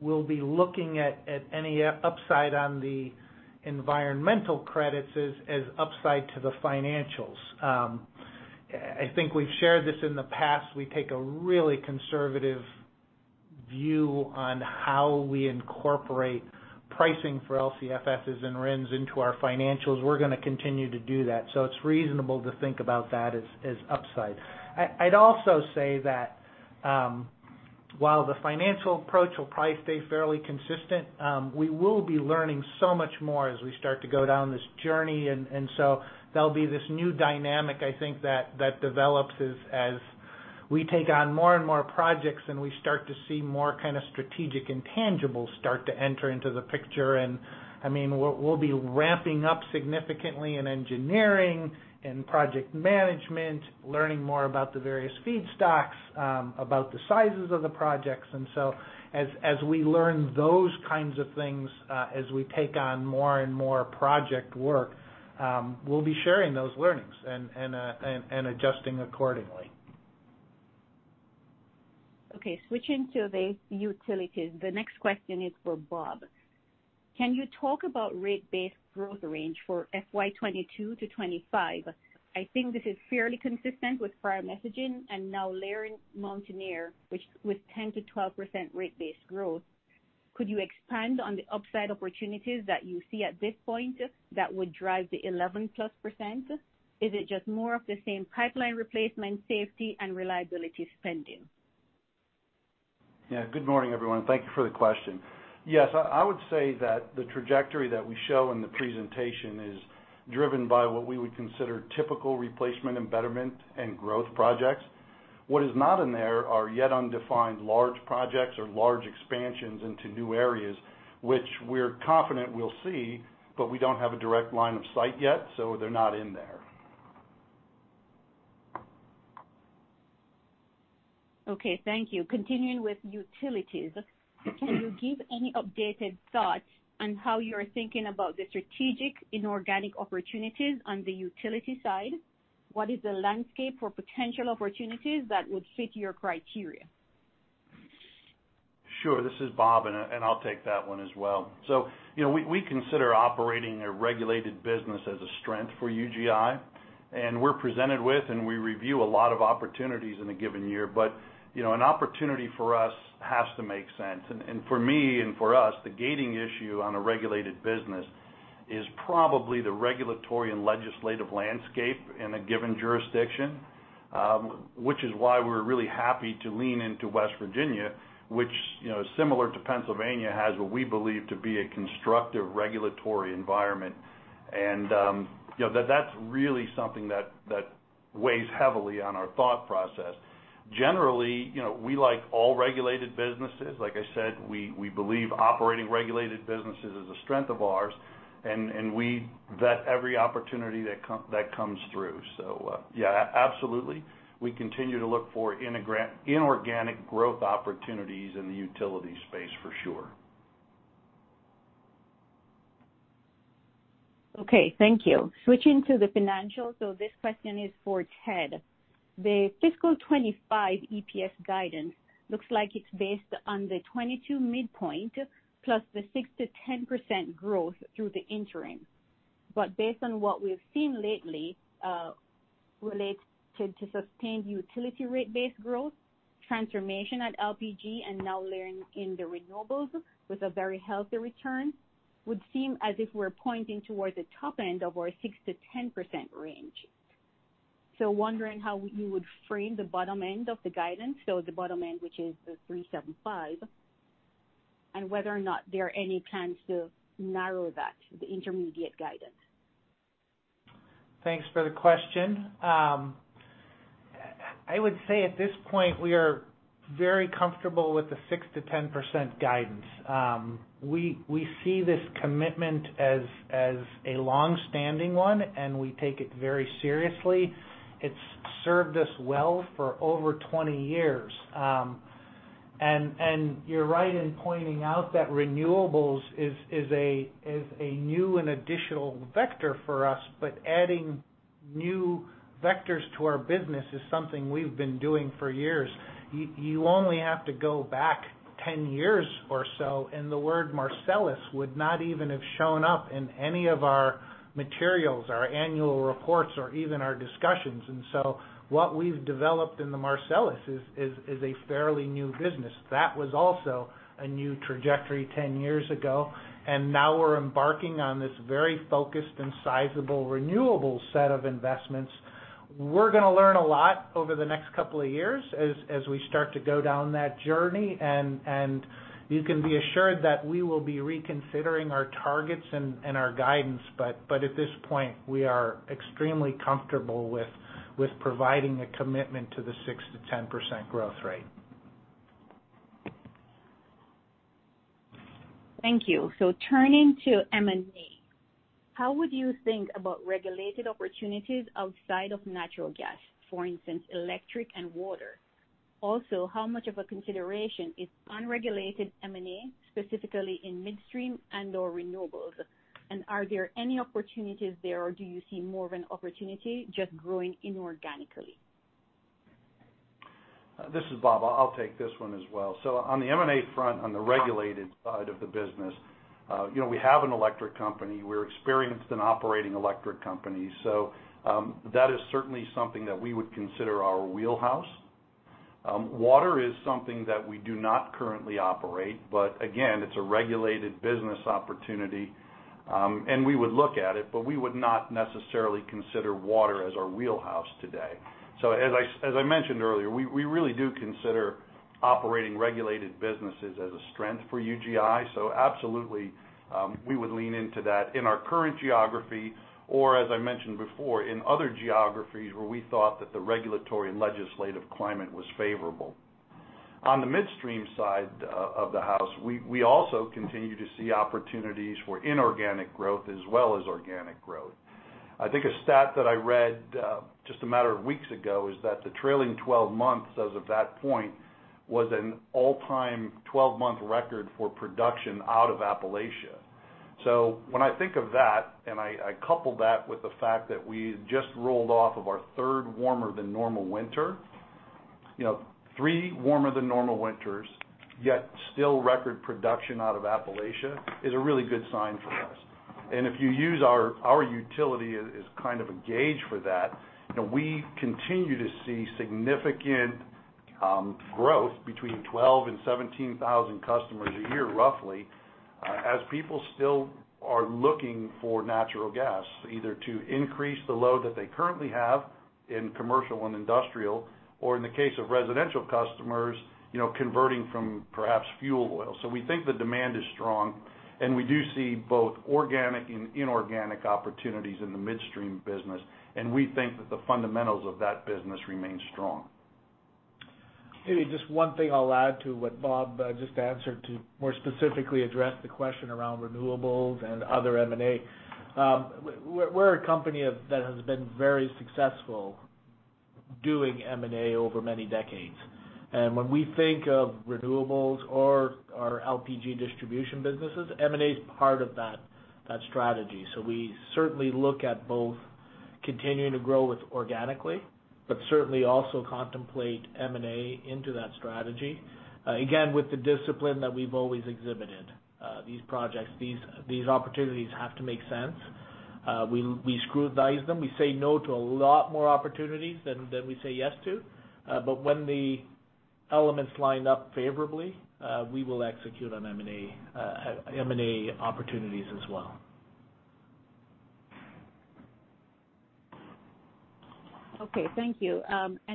looking at any upside on the environmental credits as upside to the financials. I think we've shared this in the past. We take a really conservative view on how we incorporate pricing for LCFSs and RINS into our financials. We're gonna continue to do that. It's reasonable to think about that as upside. I'd also say that while the financial approach will probably stay fairly consistent, we will be learning so much more as we start to go down this journey. So there'll be this new dynamic, I think that develops as we take on more and more projects and we start to see more kinda strategic intangibles start to enter into the picture. I mean, we'll be ramping up significantly in engineering, in project management, learning more about the various feedstocks, about the sizes of the projects. As we learn those kinds of things, as we take on more and more project work, we'll be sharing those learnings and adjusting accordingly. Okay, switching to the utilities, the next question is for Bob. Can you talk about rate base growth range for FY 2022 to 2025? I think this is fairly consistent with prior messaging and now layering Mountaineer, which with 10%-12% rate base growth. Could you expand on the upside opportunities that you see at this point that would drive the 11%+? Is it just more of the same pipeline replacement, safety, and reliability spending? Yeah. Good morning, everyone. Thank you for the question. Yes, I would say that the trajectory that we show in the presentation is driven by what we would consider typical replacement and betterment and growth projects. What is not in there are yet undefined large projects or large expansions into new areas which we're confident we'll see, but we don't have a direct line of sight yet, so they're not in there. Okay. Thank you. Continuing with utilities. Can you give any updated thoughts on how you're thinking about the strategic inorganic opportunities on the utility side? What is the landscape for potential opportunities that would fit your criteria? Sure. This is Bob, and I'll take that one as well. You know, we consider operating a regulated business as a strength for UGI, and we're presented with and we review a lot of opportunities in a given year. You know, an opportunity for us has to make sense. For me and for us, the gating issue on a regulated business is probably the regulatory and legislative landscape in a given jurisdiction, which is why we're really happy to lean into West Virginia, which, you know, similar to Pennsylvania, has what we believe to be a constructive regulatory environment. You know, that's really something that weighs heavily on our thought process. Generally, you know, we like all regulated businesses. Like I said, we believe operating regulated businesses is a strength of ours, and we vet every opportunity that comes through. Yeah, absolutely, we continue to look for inorganic growth opportunities in the utility space for sure. Okay. Thank you. Switching to the financials, so this question is for Ted. The FY 2025 EPS guidance looks like it's based on the 2022 midpoint plus the 6%-10% growth through the interim. Based on what we've seen lately related to sustained utility rate-based growth, transformation at LPG, and now learning in the renewables with a very healthy return, would seem as if we're pointing towards the top end of our 6%-10% range. Wondering how you would frame the bottom end of the guidance, so the bottom end, which is the $3.75, and whether or not there are any plans to narrow that, the intermediate guidance. Thanks for the question. I would say at this point, we are very comfortable with the 6%-10% guidance. We see this commitment as a long-standing one, and we take it very seriously. It's served us well for over 20 years. You're right in pointing out that renewables is a new and additional vector for us, but adding new vectors to our business is something we've been doing for years. You only have to go back 10 years or so, and the word Marcellus would not even have shown up in any of our materials, our annual reports, or even our discussions. What we've developed in the Marcellus is a fairly new business. That was also a new trajectory 10 years ago, and now we're embarking on this very focused and sizable renewables set of investments. We're gonna learn a lot over the next couple of years as we start to go down that journey, and you can be assured that we will be reconsidering our targets and our guidance. At this point, we are extremely comfortable with providing a commitment to the 6%-10% growth rate. Thank you. Turning to M&A, how would you think about regulated opportunities outside of natural gas, for instance, electric and water? Also, how much of a consideration is unregulated M&A, specifically in midstream and/or renewables? And are there any opportunities there, or do you see more of an opportunity just growing inorganically? This is Bob. I'll take this one as well. On the M&A front, on the regulated side of the business, you know, we have an electric company. We're experienced in operating electric companies, so that is certainly something that we would consider our wheelhouse. Water is something that we do not currently operate, but again, it's a regulated business opportunity. We would look at it, but we would not necessarily consider water as our wheelhouse today. As I mentioned earlier, we really do consider operating regulated businesses as a strength for UGI. Absolutely, we would lean into that in our current geography, or as I mentioned before, in other geographies where we thought that the regulatory and legislative climate was favorable. On the midstream side of the house, we also continue to see opportunities for inorganic growth as well as organic growth. I think a stat that I read just a matter of weeks ago is that the trailing 12 months as of that point was an all-time 12-month record for production out of Appalachia. When I think of that, and I couple that with the fact that we just rolled off of our third warmer than normal winter. You know, three warmer than normal winters, yet still record production out of Appalachia is a really good sign for us. If you use our utility as kind of a gauge for that, you know, we continue to see significant growth between 12,000 and 17,000 customers a year roughly, as people still are looking for natural gas, either to increase the load that they currently have in commercial and industrial, or in the case of residential customers, you know, converting from perhaps fuel oil. We think the demand is strong, and we do see both organic and inorganic opportunities in the midstream business, and we think that the fundamentals of that business remain strong. Maybe just one thing I'll add to what Bob just answered to more specifically address the question around renewables and other M&A. We're a company that has been very successful doing M&A over many decades. When we think of renewables or our LPG distribution businesses, M&A is part of that strategy. We certainly look at both continuing to grow organically, but certainly also contemplate M&A into that strategy, again, with the discipline that we've always exhibited. These projects, these opportunities have to make sense. We scrutinize them. We say no to a lot more opportunities than we say yes to. But when the elements line up favorably, we will execute on M&A opportunities as well. Okay. Thank you.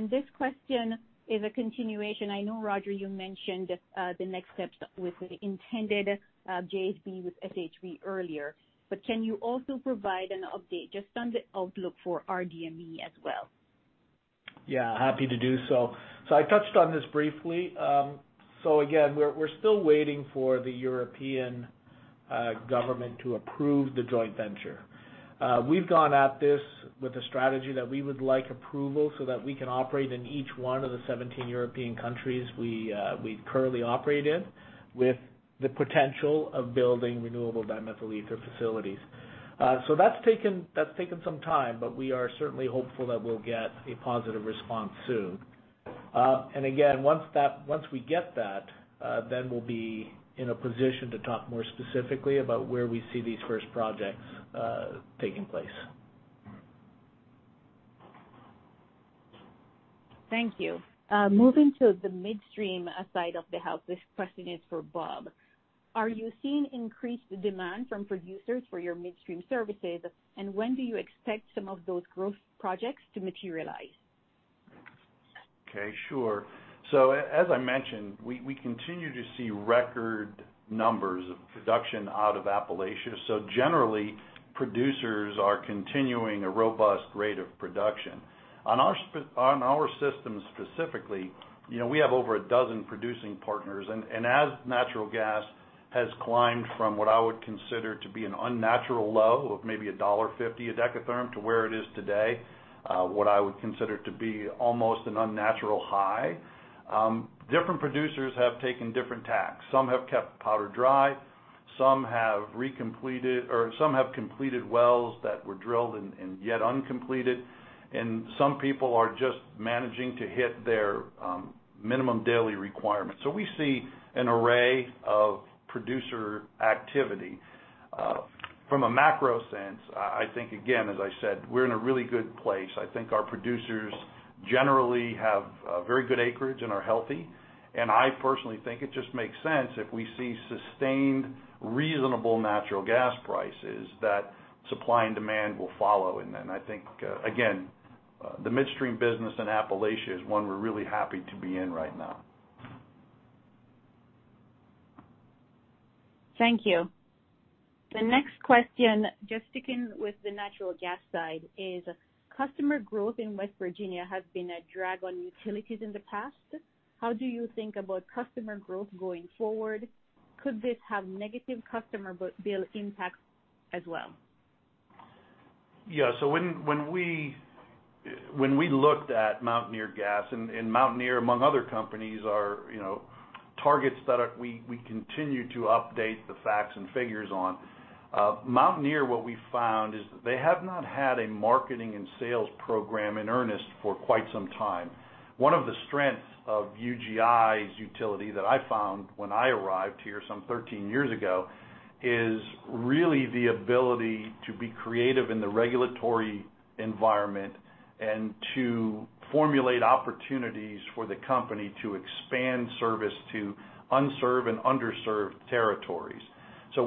This question is a continuation. I know, Roger, you mentioned the next steps with the intended JV with SHV earlier, but can you also provide an update just on the outlook for rDME as well? Yeah, happy to do so. I touched on this briefly. We still waiting for the European government to approve the joint venture. We've gone at this with a strategy that we would like approval so that we can operate in each one of the 17 European countries we currently operate in with the potential of building renewable dimethyl ether facilities. That's taken some time, but we are certainly hopeful that we'll get a positive response soon. Once we get that, we'll be in a position to talk more specifically about where we see these first projects taking place. Thank you. Moving to the midstream side of the house. This question is for Bob. Are you seeing increased demand from producers for your midstream services? When do you expect some of those growth projects to materialize? Okay, sure. As I mentioned, we continue to see record numbers of production out of Appalachia. Generally, producers are continuing a robust rate of production. On our system specifically, you know, we have over a dozen producing partners. As natural gas has climbed from what I would consider to be an unnatural low of maybe $1.50 a dekatherm to where it is today, what I would consider to be almost an unnatural high, different producers have taken different tacks. Some have kept powder dry, some have completed wells that were drilled and yet uncompleted, and some people are just managing to hit their minimum daily requirements. We see an array of producer activity. From a macro sense, I think, again, as I said, we're in a really good place. I think our producers generally have very good acreage and are healthy. I personally think it just makes sense if we see sustained reasonable natural gas prices that supply and demand will follow. Then I think again the midstream business in Appalachia is one we're really happy to be in right now. Thank you. The next question, just sticking with the natural gas side, is customer growth in West Virginia has been a drag on utilities in the past. How do you think about customer growth going forward? Could this have negative customer bill impacts as well? When we looked at Mountaineer Gas and Mountaineer, among other companies, you know, targets that we continue to update the facts and figures on. Mountaineer, what we found is that they have not had a marketing and sales program in earnest for quite some time. One of the strengths of UGI's utility that I found when I arrived here some 13 years ago is really the ability to be creative in the regulatory environment and to formulate opportunities for the company to expand service to unserved and underserved territories.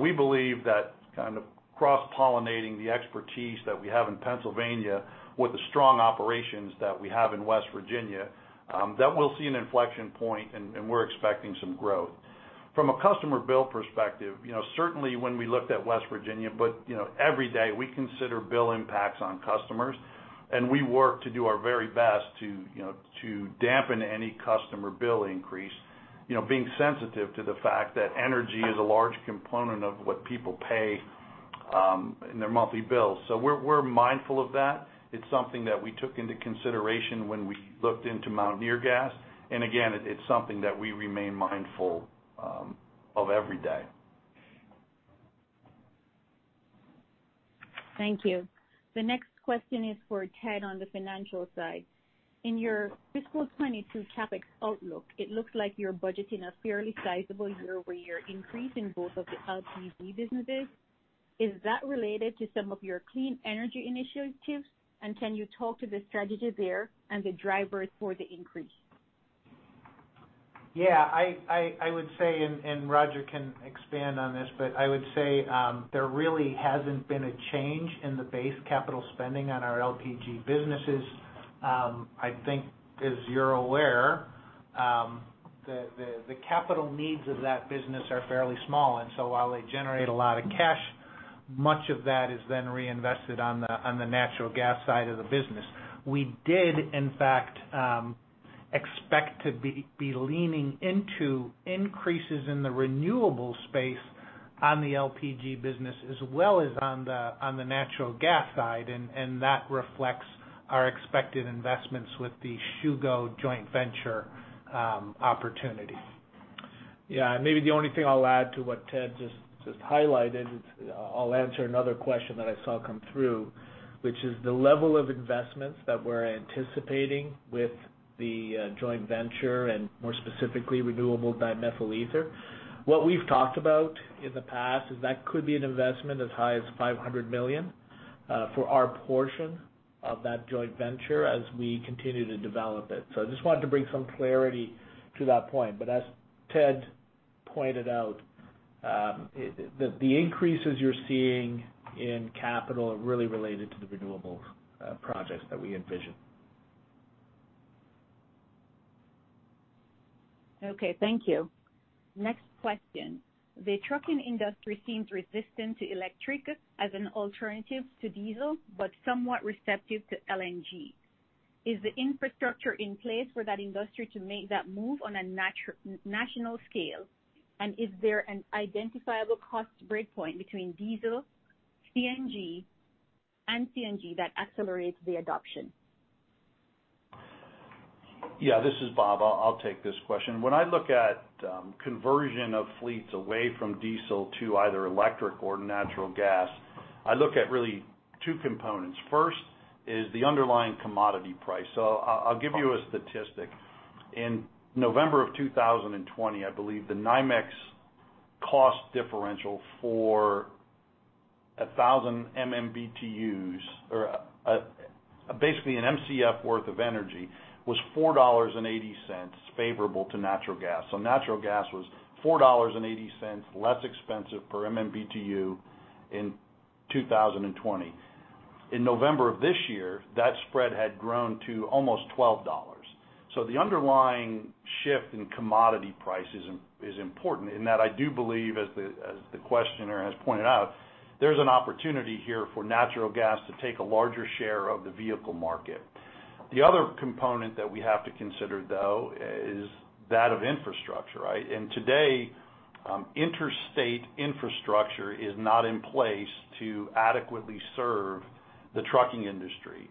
We believe that kind of cross-pollinating the expertise that we have in Pennsylvania with the strong operations that we have in West Virginia that we'll see an inflection point, and we're expecting some growth. From a customer bill perspective, you know, certainly when we looked at West Virginia, but, you know, every day we consider bill impacts on customers, and we work to do our very best to, you know, to dampen any customer bill increase. You know, being sensitive to the fact that energy is a large component of what people pay in their monthly bills. We're mindful of that. It's something that we took into consideration when we looked into Mountaineer Gas. Again, it's something that we remain mindful of every day. Thank you. The next question is for Ted on the financial side. In your fiscal 2022 CapEx outlook, it looks like you're budgeting a fairly sizable year-over-year increase in both of the LPG businesses. Is that related to some of your clean energy initiatives? Can you talk to the strategy there and the drivers for the increase? Yeah, I would say, and Roger can expand on this, but I would say, there really hasn't been a change in the base capital spending on our LPG businesses. I think as you're aware, the capital needs of that business are fairly small, and so while they generate a lot of cash, much of that is then reinvested on the natural gas side of the business. We did, in fact, expect to be leaning into increases in the renewable space on the LPG business as well as on the natural gas side, and that reflects our expected investments with the SHV joint venture opportunity. Yeah. Maybe the only thing I'll add to what Ted just highlighted. I'll answer another question that I saw come through, which is the level of investments that we're anticipating with the joint venture and more specifically, renewable dimethyl ether. What we've talked about in the past is that could be an investment as high as $500 million for our portion of that joint venture as we continue to develop it. I just wanted to bring some clarity to that point. As Ted pointed out, the increases you're seeing in capital are really related to the renewable projects that we envision. Okay. Thank you. Next question. The trucking industry seems resistant to electric as an alternative to diesel, but somewhat receptive to LNG. Is the infrastructure in place for that industry to make that move on a national scale? And is there an identifiable cost breakpoint between diesel, CNG, and LNG that accelerates the adoption? Yeah, this is Bob. I'll take this question. When I look at conversion of fleets away from diesel to either electric or natural gas, I look at really two components. First is the underlying commodity price. I'll give you a statistic. In November of 2020, I believe the NYMEX cost differential for 1,000 MMBTUs or basically an MCF worth of energy was $4.80 favorable to natural gas. So natural gas was $4.80 less expensive per MMBTU in 2020. In November of this year, that spread had grown to almost $12. The underlying shift in commodity prices is important in that I do believe, as the questioner has pointed out, there's an opportunity here for natural gas to take a larger share of the vehicle market. The other component that we have to consider, though, is that of infrastructure, right? Today, interstate infrastructure is not in place to adequately serve the trucking industry.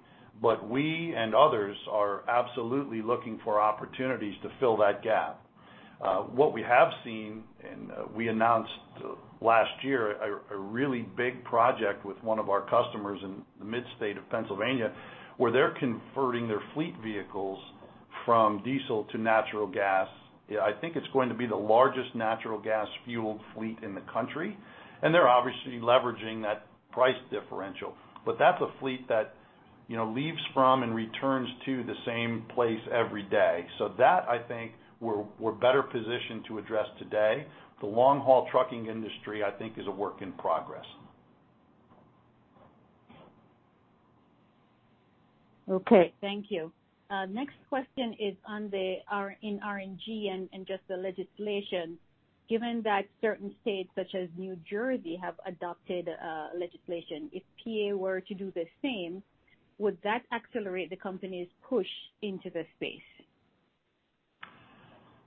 We and others are absolutely looking for opportunities to fill that gap. What we have seen, we announced last year a really big project with one of our customers in the midstate of Pennsylvania, where they're converting their fleet vehicles from diesel to natural gas. I think it's going to be the largest natural gas-fueled fleet in the country, and they're obviously leveraging that price differential. That's a fleet that, you know, leaves from and returns to the same place every day. That I think we're better positioned to address today. The long-haul trucking industry, I think is a work in progress. Okay. Thank you. Next question is in RNG and just the legislation. Given that certain states such as New Jersey have adopted legislation, if PA were to do the same, would that accelerate the company's push into the space?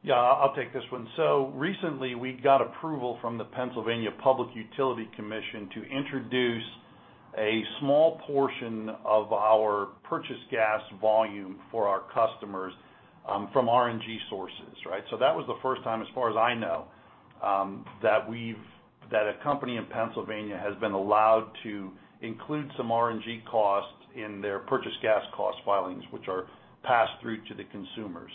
Yeah, I'll take this one. Recently we got approval from the Pennsylvania Public Utility Commission to introduce a small portion of our purchased gas volume for our customers from RNG sources, right? That was the first time, as far as I know, that a company in Pennsylvania has been allowed to include some RNG costs in their purchased gas cost filings, which are passed through to the consumer.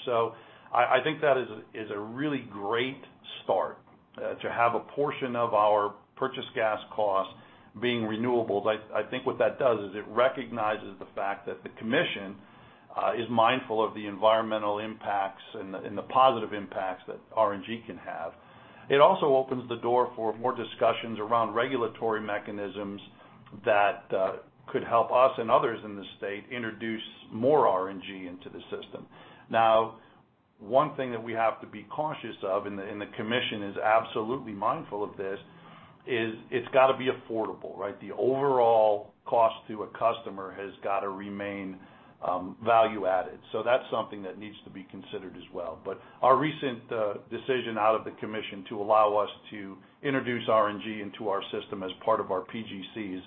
I think that is a really great start to have a portion of our purchased gas costs being renewables. I think what that does is it recognizes the fact that the commission is mindful of the environmental impacts and the positive impacts that RNG can have. It also opens the door for more discussions around regulatory mechanisms that could help us and others in the state introduce more RNG into the system. Now, one thing that we have to be cautious of, and the commission is absolutely mindful of this, is it's gotta be affordable, right? The overall cost to a customer has got to remain value added. So that's something that needs to be considered as well. Our recent decision out of the commission to allow us to introduce RNG into our system as part of our PGCs,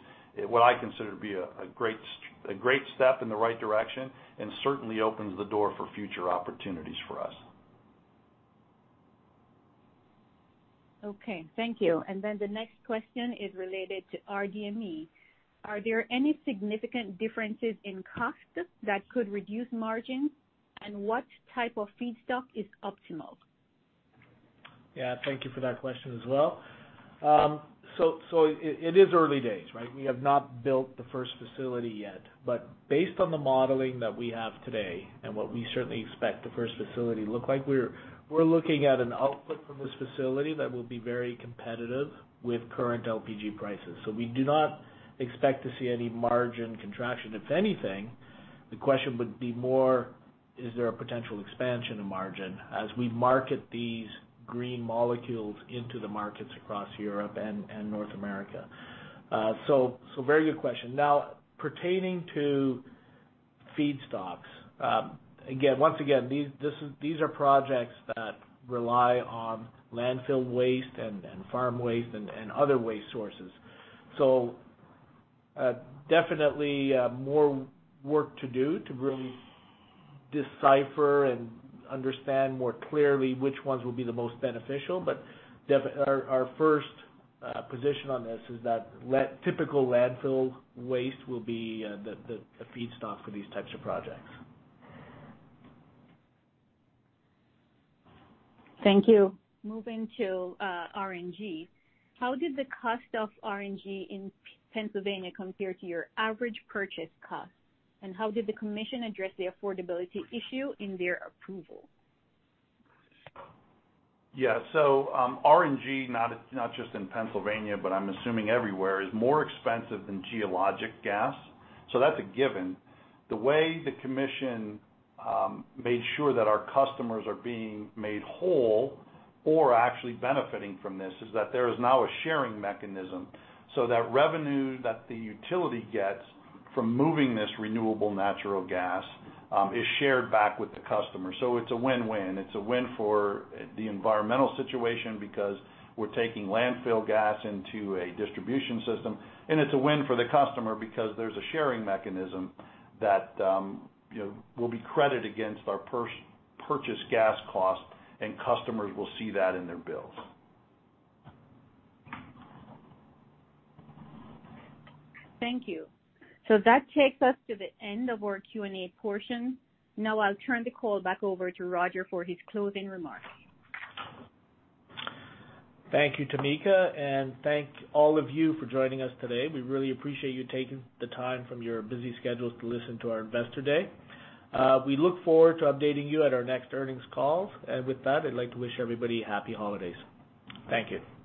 what I consider to be a great step in the right direction and certainly opens the door for future opportunities for us. Okay. Thank you. The next question is related to rDME. Are there any significant differences in cost that could reduce margin? What type of feedstock is optimal? Yeah, thank you for that question as well. It is early days, right? We have not built the first facility yet, but based on the modeling that we have today and what we certainly expect the first facility to look like, we're looking at an output from this facility that will be very competitive with current LPG prices. So we do not expect to see any margin contraction. If anything, the question would be more, is there a potential expansion in margin as we market these green molecules into the markets across Europe and North America? Very good question. Now, pertaining to feedstocks, these are projects that rely on landfill waste and farm waste and other waste sources. Definitely more work to do to really decipher and understand more clearly which ones will be the most beneficial. Our first position on this is that typical landfill waste will be the feedstock for these types of projects. Thank you. Moving to RNG. How did the cost of RNG in Pennsylvania compare to your average purchase cost, and how did the commission address the affordability issue in their approval? Yeah. RNG, not just in Pennsylvania, but I'm assuming everywhere, is more expensive than geologic gas. That's a given. The way the commission made sure that our customers are being made whole or actually benefiting from this is that there is now a sharing mechanism so that revenue that the utility gets from moving this renewable natural gas is shared back with the customer. It's a win-win. It's a win for the environmental situation because we're taking landfill gas into a distribution system, and it's a win for the customer because there's a sharing mechanism that you know will be credited against our purchased gas costs, and customers will see that in their bills. Thank you. That takes us to the end of our Q&A portion. Now I'll turn the call back over to Roger for his closing remarks. Thank you, Tameka. Thank all of you for joining us today. We really appreciate you taking the time from your busy schedules to listen to our Investor Day. We look forward to updating you at our next earnings call. With that, I'd like to wish everybody happy holidays. Thank you.